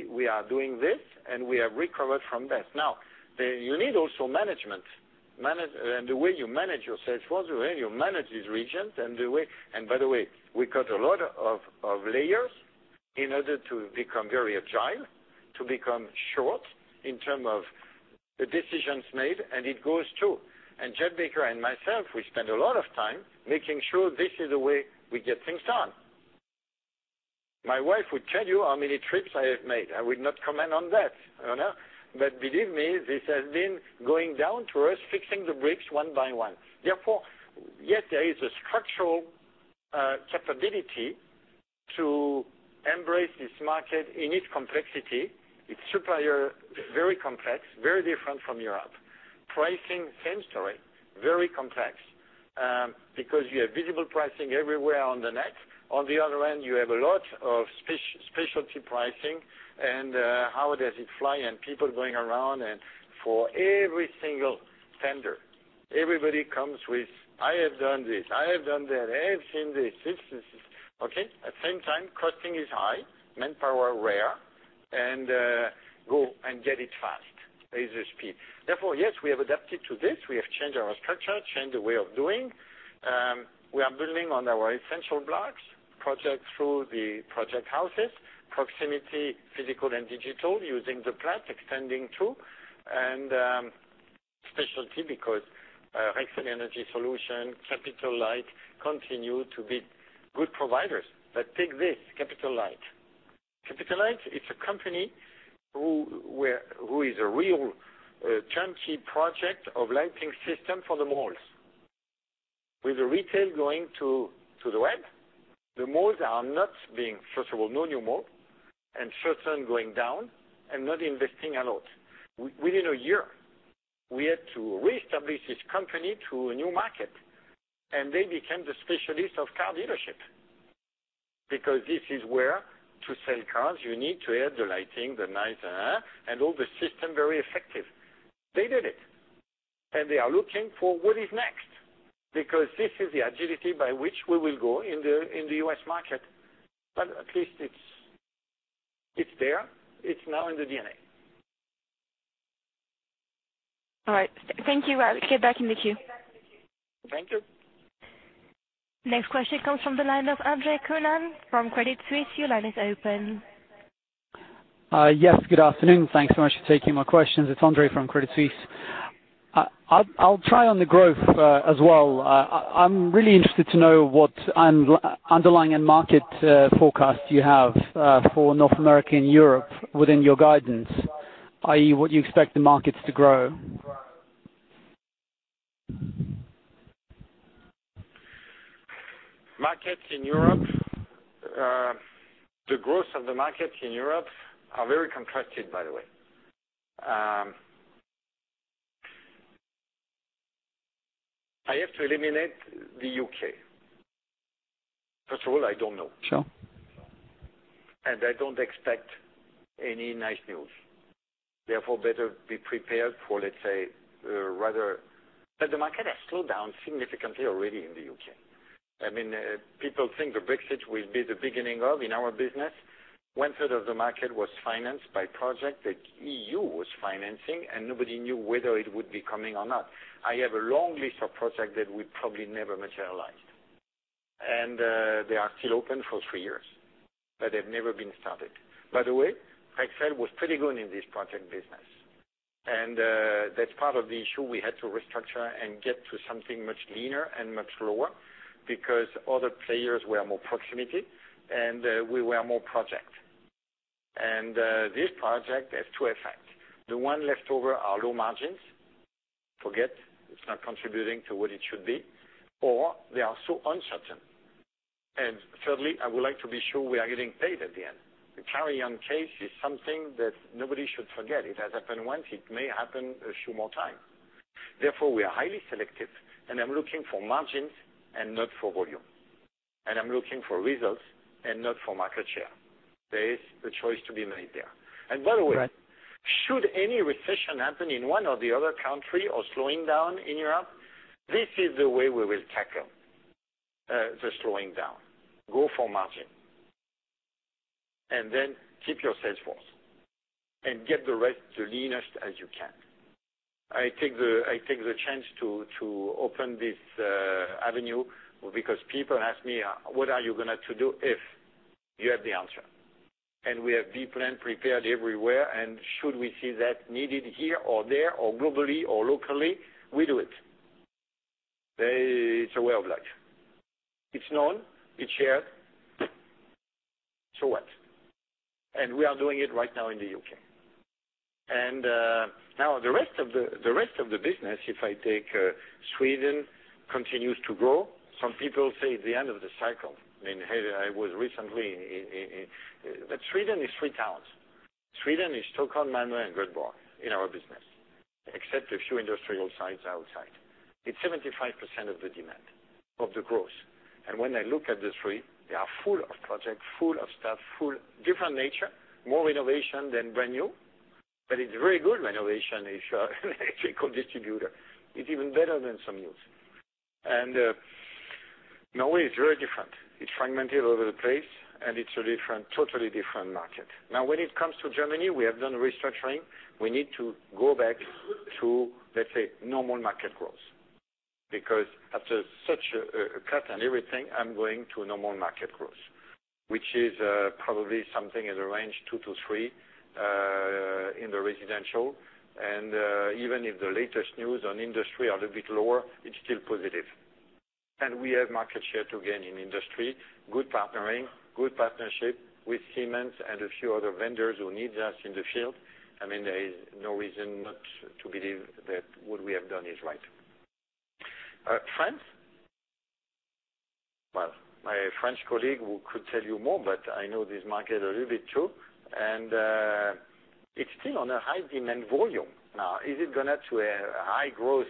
We are doing this, and we have recovered from that. Now, you need also management. The way you manage your sales force, the way you manage these regions. By the way, we cut a lot of layers in order to become very agile, to become short in terms of the decisions made, and it goes through. Jeff Baker and myself, we spend a lot of time making sure this is the way we get things done. My wife would tell you how many trips I have made. I will not comment on that. Believe me, this has been going down to us fixing the bricks one by one. Yes, there is a structural capability to embrace this market in its complexity. Its supplier is very complex, very different from Europe. Pricing. Same story, very complex, because you have visible pricing everywhere on the net. On the other end, you have a lot of specialty pricing and how does it fly, and people going around and for every single tender, everybody comes with, "I have done this. I have done that. I have seen this." Okay. At the same time, costing is high, manpower rare, and go and get it fast is the speed. Yes, we have adapted to this. We have changed our structure, changed the way of doing. We are building on our essential blocks, projects through the project houses, proximity, physical and digital, using the Platt, extending too, and specialty because Rexel Energy Solutions, Capitol Light continue to be good providers. Take this, Capitol Light. Capitol Light, it's a company who is a real turnkey project of lighting system for the malls. With the retail going to the web, the malls are not being, first of all, no new mall, and certain going down and not investing a lot. Within a year, we had to reestablish this company to a new market, and they became the specialist of car dealership. This is where to sell cars, you need to have the lighting, the nice, and all the system very effective. They did it. They are looking for what is next. This is the agility by which we will go in the U.S. market. At least it's there. It's now in the DNA. All right. Thank you. Get back in the queue. Thank you. Next question comes from the line of Andre Kukhnin from Credit Suisse. Your line is open. Yes, good afternoon. Thanks so much for taking my questions. It is Andre from Credit Suisse. I will try on the growth as well. I am really interested to know what underlying end market forecast you have for North America and Europe within your guidance, i.e., what you expect the markets to grow. Markets in Europe, the growth of the markets in Europe are very contrasted, by the way. I have to eliminate the U.K. First of all, I do not know. Sure. I do not expect any nice news. Therefore, better be prepared for, let's say, rather. The market has slowed down significantly already in the U.K. People think the Brexit will be the beginning of, in our business, 1/3 of the market was financed by project that EU was financing, and nobody knew whether it would be coming or not. I have a long list of projects that will probably never materialize. They are still open for three years, but they have never been started. By the way, Rexel was pretty good in this project business. That is part of the issue we had to restructure and get to something much leaner and much lower because other players were more proximity, and we were more project. This project has two effects. The one left over are low margins. Forget, it is not contributing to what it should be, or they are so uncertain. Thirdly, I would like to be sure we are getting paid at the end. The Carillion case is something that nobody should forget. It has happened once. It may happen a few more times. Therefore, we are highly selective, and I am looking for margins and not for volume. I am looking for results and not for market share. There is the choice to be made there. By the way, should any recession happen in one or the other country or slowing down in Europe, this is the way we will tackle the slowing down. Go for margin. Then keep your sales force and get the rest the leanest as you can. I take the chance to open this avenue because people ask me, "What are you going to do if?" You have the answer. We have B-plan prepared everywhere, and should we see that needed here or there or globally or locally, we do it. It is a way of life. It is known, it is shared. So what? We are doing it right now in the U.K. Now the rest of the business, if I take Sweden, continues to grow. Some people say the end of the cycle. I was recently in. Sweden is three towns. Sweden is Stockholm, Malmo, and Goteborg in our business, except a few industrial sites outside. It is 75% of the demand, of the growth. When I look at the three, they are full of projects, full of stuff. Different nature, more renovation than brand new, but it is very good renovation if you are an electrical distributor. It is even better than some news. Norway is very different. It is fragmented over the place, and it is a totally different market. When it comes to Germany, we have done restructuring. We need to go back to, let's say, normal market growth. After such a cut and everything, I am going to a normal market growth, which is probably something in the range 2-3 in the residential. Even if the latest news on industry are a bit lower, it is still positive. We have market share to gain in industry, good partnering, good partnership with Siemens and a few other vendors who need us in the field. There is no reason not to believe that what we have done is right. France. Well, my French colleague could tell you more, but I know this market a little bit, too, and it's still on a high demand volume. Is it going to a high growth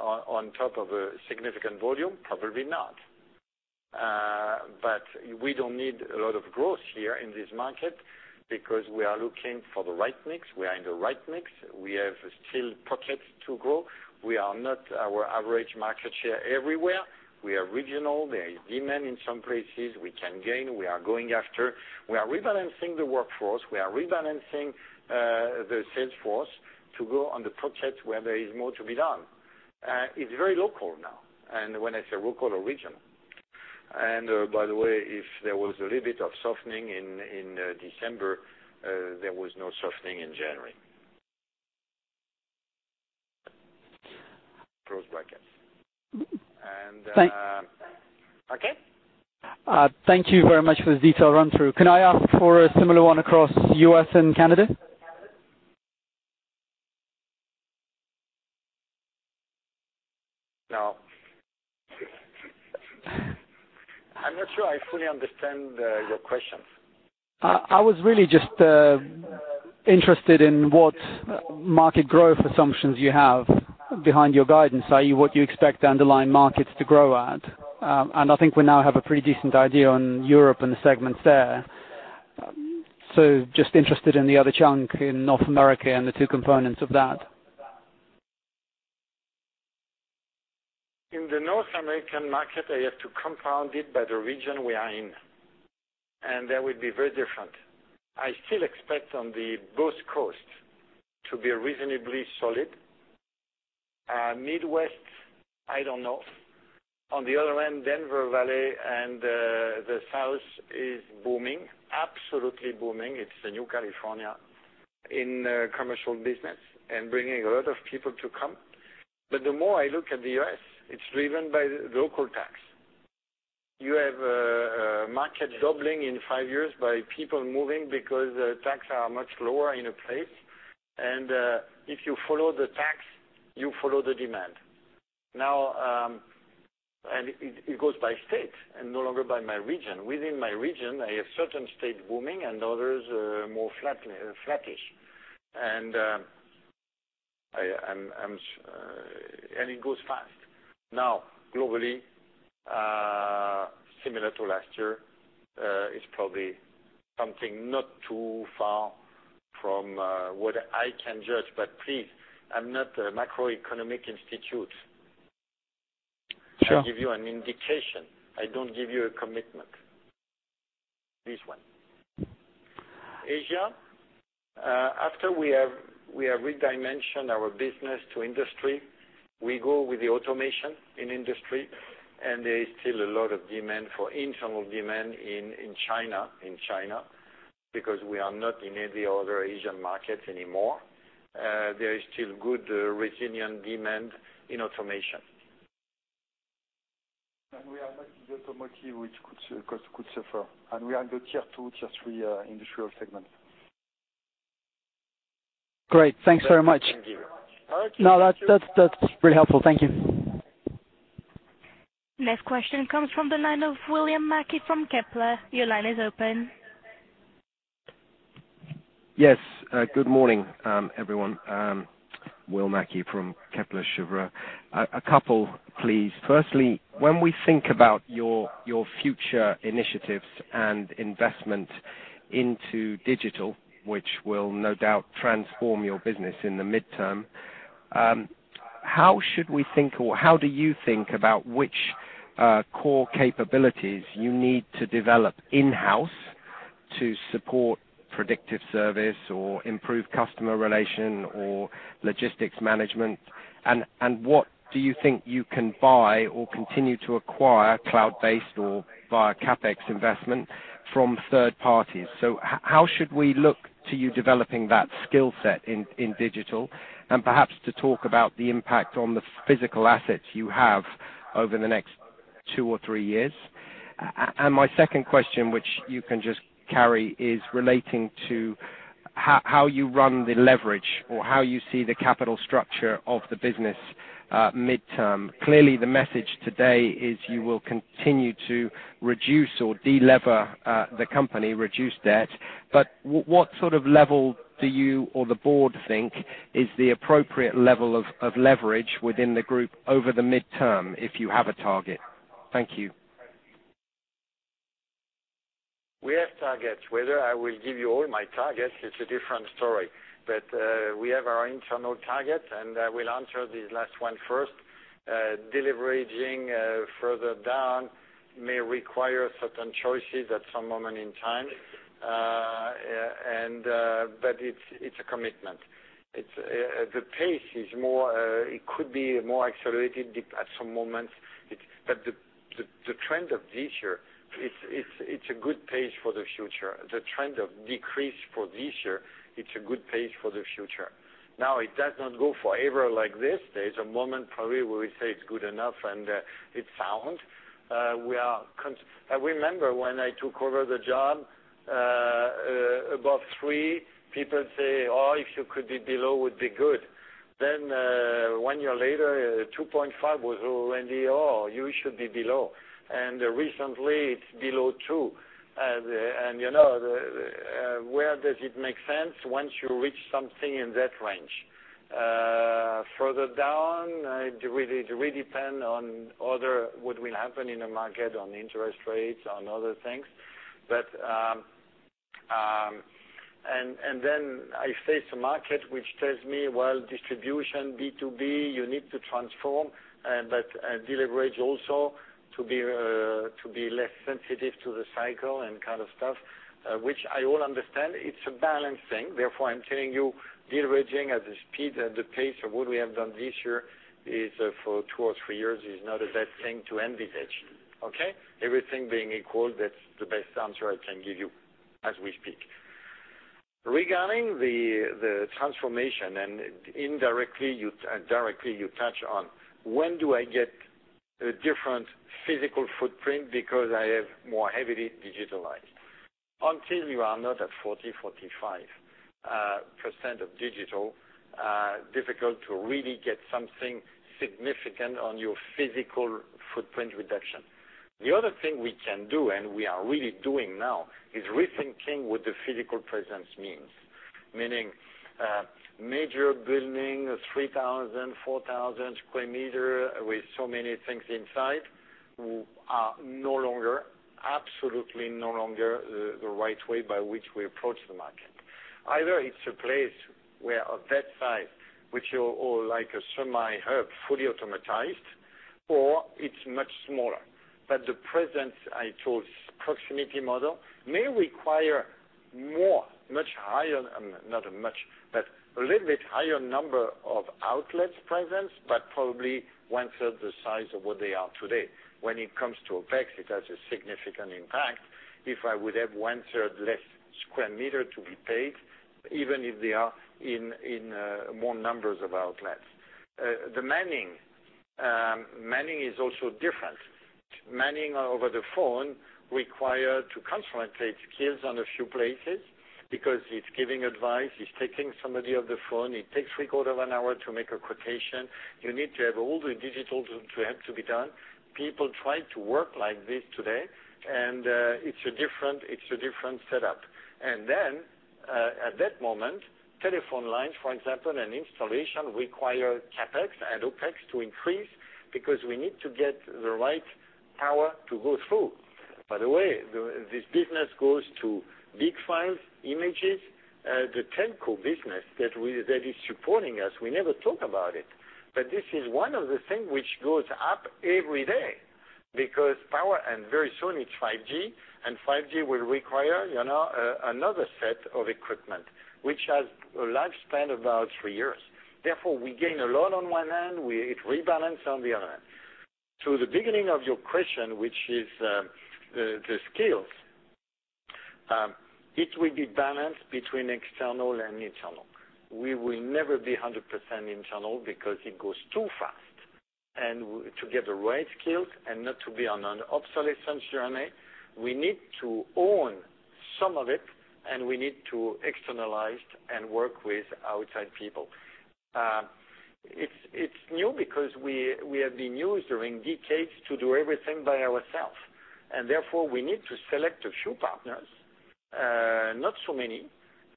on top of a significant volume? Probably not. We don't need a lot of growth here in this market because we are looking for the right mix. We are in the right mix. We have still pockets to grow. We are not our average market share everywhere. We are regional. There is demand in some places we can gain, we are going after. We are rebalancing the workforce, we are rebalancing the sales force to go on the projects where there is more to be done. It's very local now. When I say local or regional. By the way, if there was a little bit of softening in December, there was no softening in January. Thank- Okay. Thank you very much for the detailed run-through. Can I ask for a similar one across U.S. and Canada? No. I'm not sure I fully understand your question. I was really just interested in what market growth assumptions you have behind your guidance. i.e., what you expect underlying markets to grow at. I think we now have a pretty decent idea on Europe and the segments there. Just interested in the other chunk in North America and the two components of that. In the North American market, I have to compound it by the region we are in, that will be very different. I still expect on the both coasts to be reasonably solid. Midwest, I don't know. On the other hand, Denver Valley and the South is booming, absolutely booming. It's the new California in commercial business and bringing a lot of people to come. The more I look at the U.S., it's driven by local tax. You have a market doubling in five years by people moving because the tax are much lower in a place. If you follow the tax, you follow the demand. It goes by state and no longer by my region. Within my region, I have certain states booming and others more flattish. It goes fast. Globally, similar to last year, it's probably something not too far from what I can judge. Please, I'm not a macroeconomic institute. Sure. I give you an indication. I don't give you a commitment. This one. Asia, after we have redimensioned our business to industry, we go with the automation in industry, there is still a lot of demand for internal demand in China because we are not in any other Asian market anymore. There is still good resilient demand in automation. We are not in the automotive, which could suffer. We are in the Tier 2, Tier 3 industrial segment. Great. Thanks very much. Thank you. No, that's really helpful. Thank you. Next question comes from the line of William Mackie from Kepler. Your line is open. Yes. Good morning, everyone. Will Mackie from Kepler Cheuvreux. A couple, please. Firstly, when we think about your future initiatives and investment into digital, which will no doubt transform your business in the midterm, how should we think or how do you think about which core capabilities you need to develop in-house to support predictive service or improve customer relation or logistics management? What do you think you can buy or continue to acquire cloud-based or via CapEx investment from third parties? How should we look to you developing that skill set in digital and perhaps to talk about the impact on the physical assets you have over the next two or three years? My second question, which you can just carry, is relating to how you run the leverage or how you see the capital structure of the business midterm. Clearly, the message today is you will continue to reduce or delever the company, reduce debt. What sort of level do you or the board think is the appropriate level of leverage within the group over the midterm, if you have a target? Thank you. We have targets. Whether I will give you all my targets, it's a different story. We have our internal target, I will answer this last one first. Deleveraging further down may require certain choices at some moment in time, it's a commitment. The pace could be more accelerated at some moments, the trend of this year, it's a good pace for the future. The trend of decrease for this year, it's a good pace for the future. It does not go forever like this. There is a moment probably where we say it's good enough and it's sound. I remember when I took over the job, above three, people say, "Oh, if you could be below, would be good." Then, one year later, 2.5 was already, "Oh, you should be below." Recently, it's below two. Where does it make sense once you reach something in that range? Further down, it really depend on what will happen in the market, on interest rates, on other things. Then I face a market which tells me, well, distribution, B2B, you need to transform, deleverage also to be less sensitive to the cycle and kind of stuff, which I all understand. It's a balance thing. I'm telling you, deleveraging at the speed, at the pace of what we have done this year for two or three years is not a bad thing to envisage. Okay? Everything being equal, that's the best answer I can give you as we speak. Regarding the transformation, indirectly and directly you touch on when do I get a different physical footprint because I have more heavily digitalized. Until you are not at 40%-45% of digital, difficult to really get something significant on your physical footprint reduction. The other thing we can do, and we are really doing now, is rethinking what the physical presence means. Meaning, major building, 3,000-4,000 sq m with so many things inside are no longer, absolutely no longer the right way by which we approach the market. Either it's a place where of that size, which are all like a semi hub, fully automatized, or it's much smaller. But the presence I chose, proximity model, may require more, a little bit higher number of outlets presence, but probably 1/3 the size of what they are today. When it comes to OpEx, it has a significant impact. If I would have 1/3 less square meter to be paid, even if they are in more numbers of outlets. The manning. Manning is also different. Manning over the phone require to concentrate skills on a few places because it's giving advice, it's taking somebody off the phone. It takes three-quarter of an hour to make a quotation. You need to have all the digital to be done. People try to work like this today, it's a different setup. At that moment, telephone lines, for example, and installation require CapEx and OpEx to increase because we need to get the right power to go through. By the way, this business goes to big files, images, the telco business that is supporting us, we never talk about it. But this is one of the things which goes up every day because power, and very soon it's 5G, and 5G will require another set of equipment, which has a lifespan of about three years. We gain a lot on one hand, it rebalance on the other hand. To the beginning of your question, which is the skills. It will be balanced between external and internal. We will never be 100% internal because it goes too fast. To get the right skills and not to be on an obsolescence journey, we need to own some of it, and we need to externalize and work with outside people. It's new because we have been used during decades to do everything by ourself. We need to select a few partners, not so many.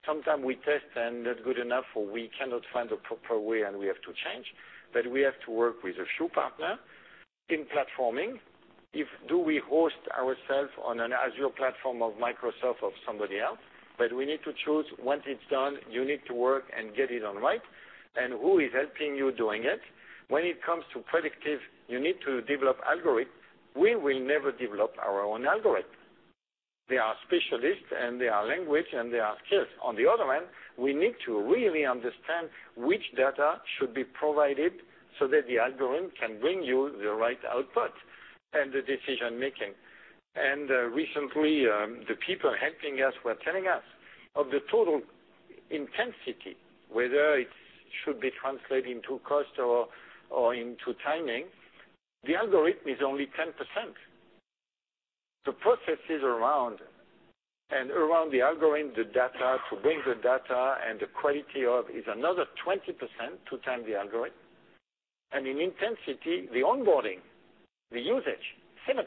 Sometimes we test and not good enough or we cannot find a proper way and we have to change. But we have to work with a few partner in platforming. Do we host ourselves on an Azure platform of Microsoft or somebody else? We need to choose once it's done, you need to work and get it on right, and who is helping you doing it. When it comes to predictive, you need to develop algorithm. We will never develop our own algorithm. They are specialists, and they are language, and they are skills. On the other hand, we need to really understand which data should be provided so that the algorithm can bring you the right output and the decision making. Recently, the people helping us were telling us of the total intensity, whether it should be translated into cost or into timing, the algorithm is only 10%. The processes around and around the algorithm, the data, to bring the data and the quality of, is another 20% to time the algorithm. In intensity, the onboarding, the usage, 70%.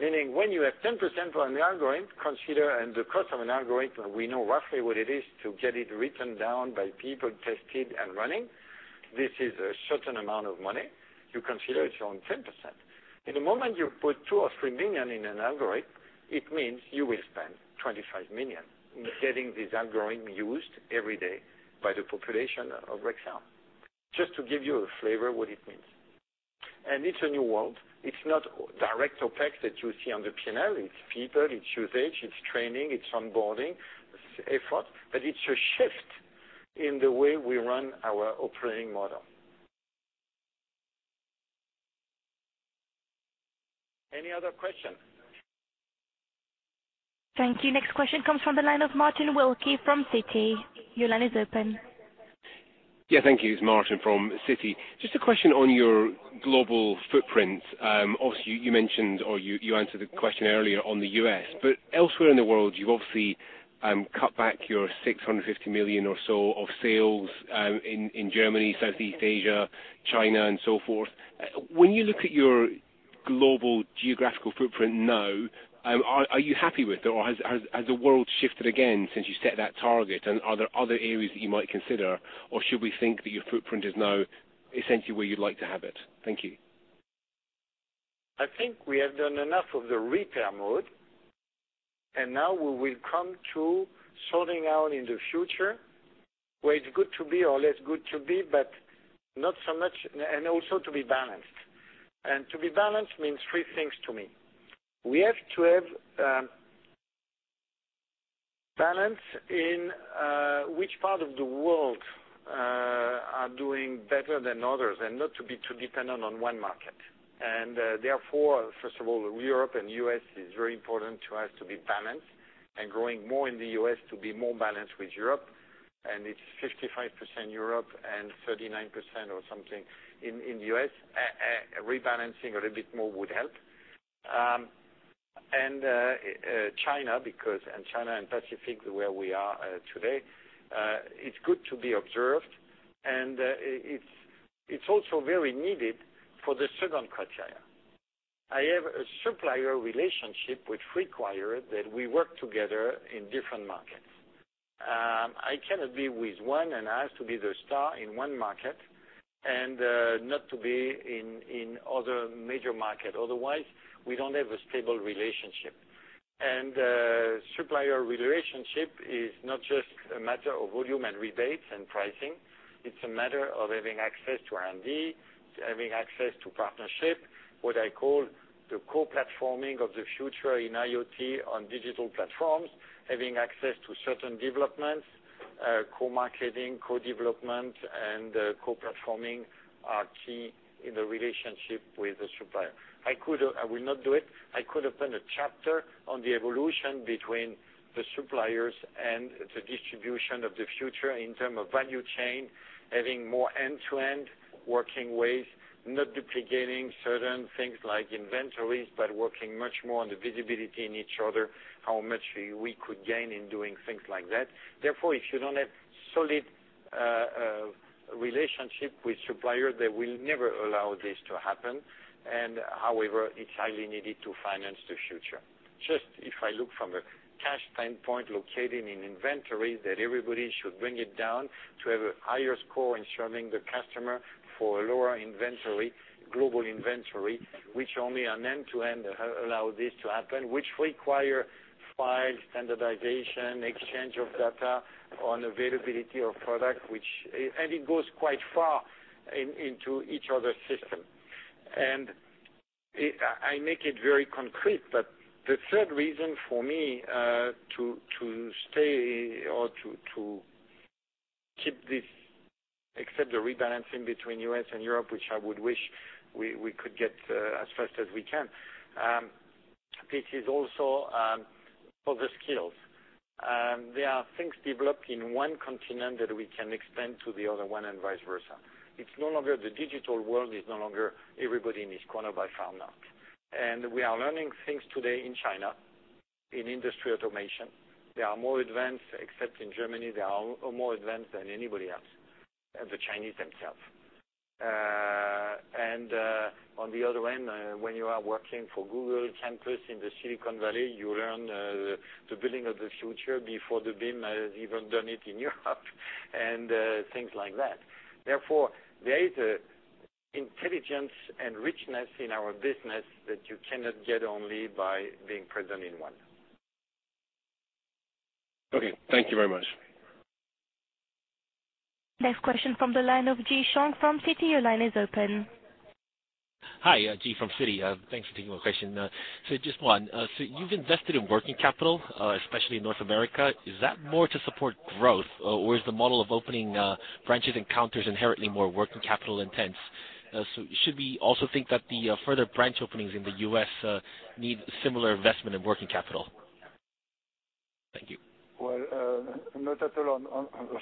Meaning when you have 10% on the algorithm, consider and the cost of an algorithm, we know roughly what it is to get it written down by people, tested and running. This is a certain amount of money. You consider it's on 10%. In the moment you put 2 million or 3 million in an algorithm, it means you will spend 25 million in getting this algorithm used every day by the population of Rexel. Just to give you a flavor what it means. It's a new world. It's not direct OpEx that you see on the P&L. It's people, it's usage, it's training, it's onboarding effort, but it's a shift in the way we run our operating model. Any other question? Thank you. Next question comes from the line of Martin Wilkie from Citi. Your line is open. Yeah, thank you. It's Martin from Citi. Just a question on your global footprint. Obviously, you mentioned or you answered the question earlier on the U.S. Elsewhere in the world, you've obviously cut back your 650 million or so of sales in Germany, Southeast Asia, China and so forth. When you look at your global geographical footprint now, are you happy with it or has the world shifted again since you set that target? Are there other areas that you might consider or should we think that your footprint is now essentially where you'd like to have it? Thank you. I think we have done enough of the repair mode, and now we will come to sorting out in the future where it's good to be or less good to be, but not so much, and also to be balanced. To be balanced means three things to me. We have to have balance in which part of the world are doing better than others and not to be too dependent on one market. Therefore, first of all, Europe and U.S. is very important to us to be balanced and growing more in the U.S. to be more balanced with Europe. It's 55% Europe and 39% or something in U.S. Rebalancing a little bit more would help. China and Pacific, where we are today, it's good to be observed, and it's also very needed for the second criteria. I have a supplier relationship which require that we work together in different markets. I cannot be with one and I have to be the star in one market and not to be in other major market, otherwise we don't have a stable relationship. Supplier relationship is not just a matter of volume and rebates and pricing. It's a matter of having access to R&D, having access to partnership, what I call the co-platforming of the future in IoT on digital platforms, having access to certain developments, co-marketing, co-development, and co-platforming are key in the relationship with the supplier. I will not do it. I could open a chapter on the evolution between the suppliers and the distribution of the future in term of value chain, having more end-to-end working ways, not duplicating certain things like inventories, but working much more on the visibility in each other, how much we could gain in doing things like that. If you don't have solid relationship with supplier, they will never allow this to happen. However, it's highly needed to finance the future. Just if I look from a cash standpoint, locking in inventory, that everybody should bring it down to have a higher score in serving the customer for lower inventory, global inventory, which only an end-to-end allow this to happen, which require files standardization, exchange of data on availability of product, and it goes quite far into each other's system. I make it very concrete, but the third reason for me to stay or to keep this, except the rebalancing between U.S. and Europe, which I would wish we could get as fast as we can. This is also for the skills. There are things developed in one continent that we can extend to the other one and vice versa. The digital world is no longer everybody in his corner by far now. We are learning things today in China, in industry automation. They are more advanced, except in Germany. They are more advanced than anybody else, the Chinese themselves. On the other end, when you are working for Google Campus in the Silicon Valley, you learn the building of the future before the BIM has even done it in Europe and things like that. There is an intelligence and richness in our business that you cannot get only by being present in one. Okay. Thank you very much. Next question from the line of Ji Song from Citi. Your line is open. Hi, Ji from Citi. Thanks for taking my question. Just one, you've invested in working capital, especially in North America. Is that more to support growth or is the model of opening branches and counters inherently more working capital intense? Should we also think that the further branch openings in the U.S. need similar investment in working capital? Thank you. Well, not at all.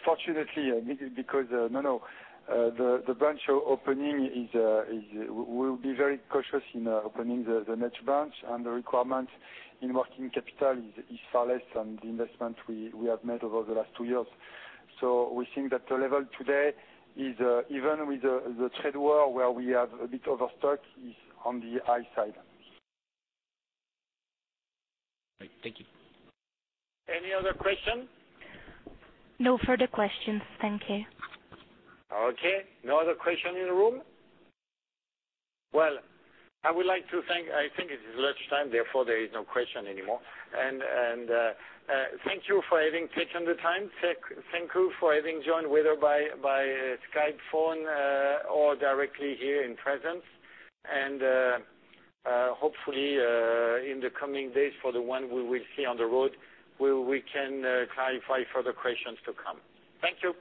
Fortunately, because no, the branch opening, we will be very cautious in opening the next branch, and the requirement in working capital is far less than the investment we have made over the last two years. We think that the level today is, even with the trade war where we have a bit overstock, is on the high side. Great. Thank you. Any other question? No further questions. Thank you. Okay. No other question in the room? Well, I would like to thank I think it is lunch time, therefore there is no question anymore. Thank you for having taken the time. Thank you for having joined, whether by Skype phone or directly here in presence. Hopefully, in the coming days, for the one we will see on the road, we can clarify further questions to come. Thank you.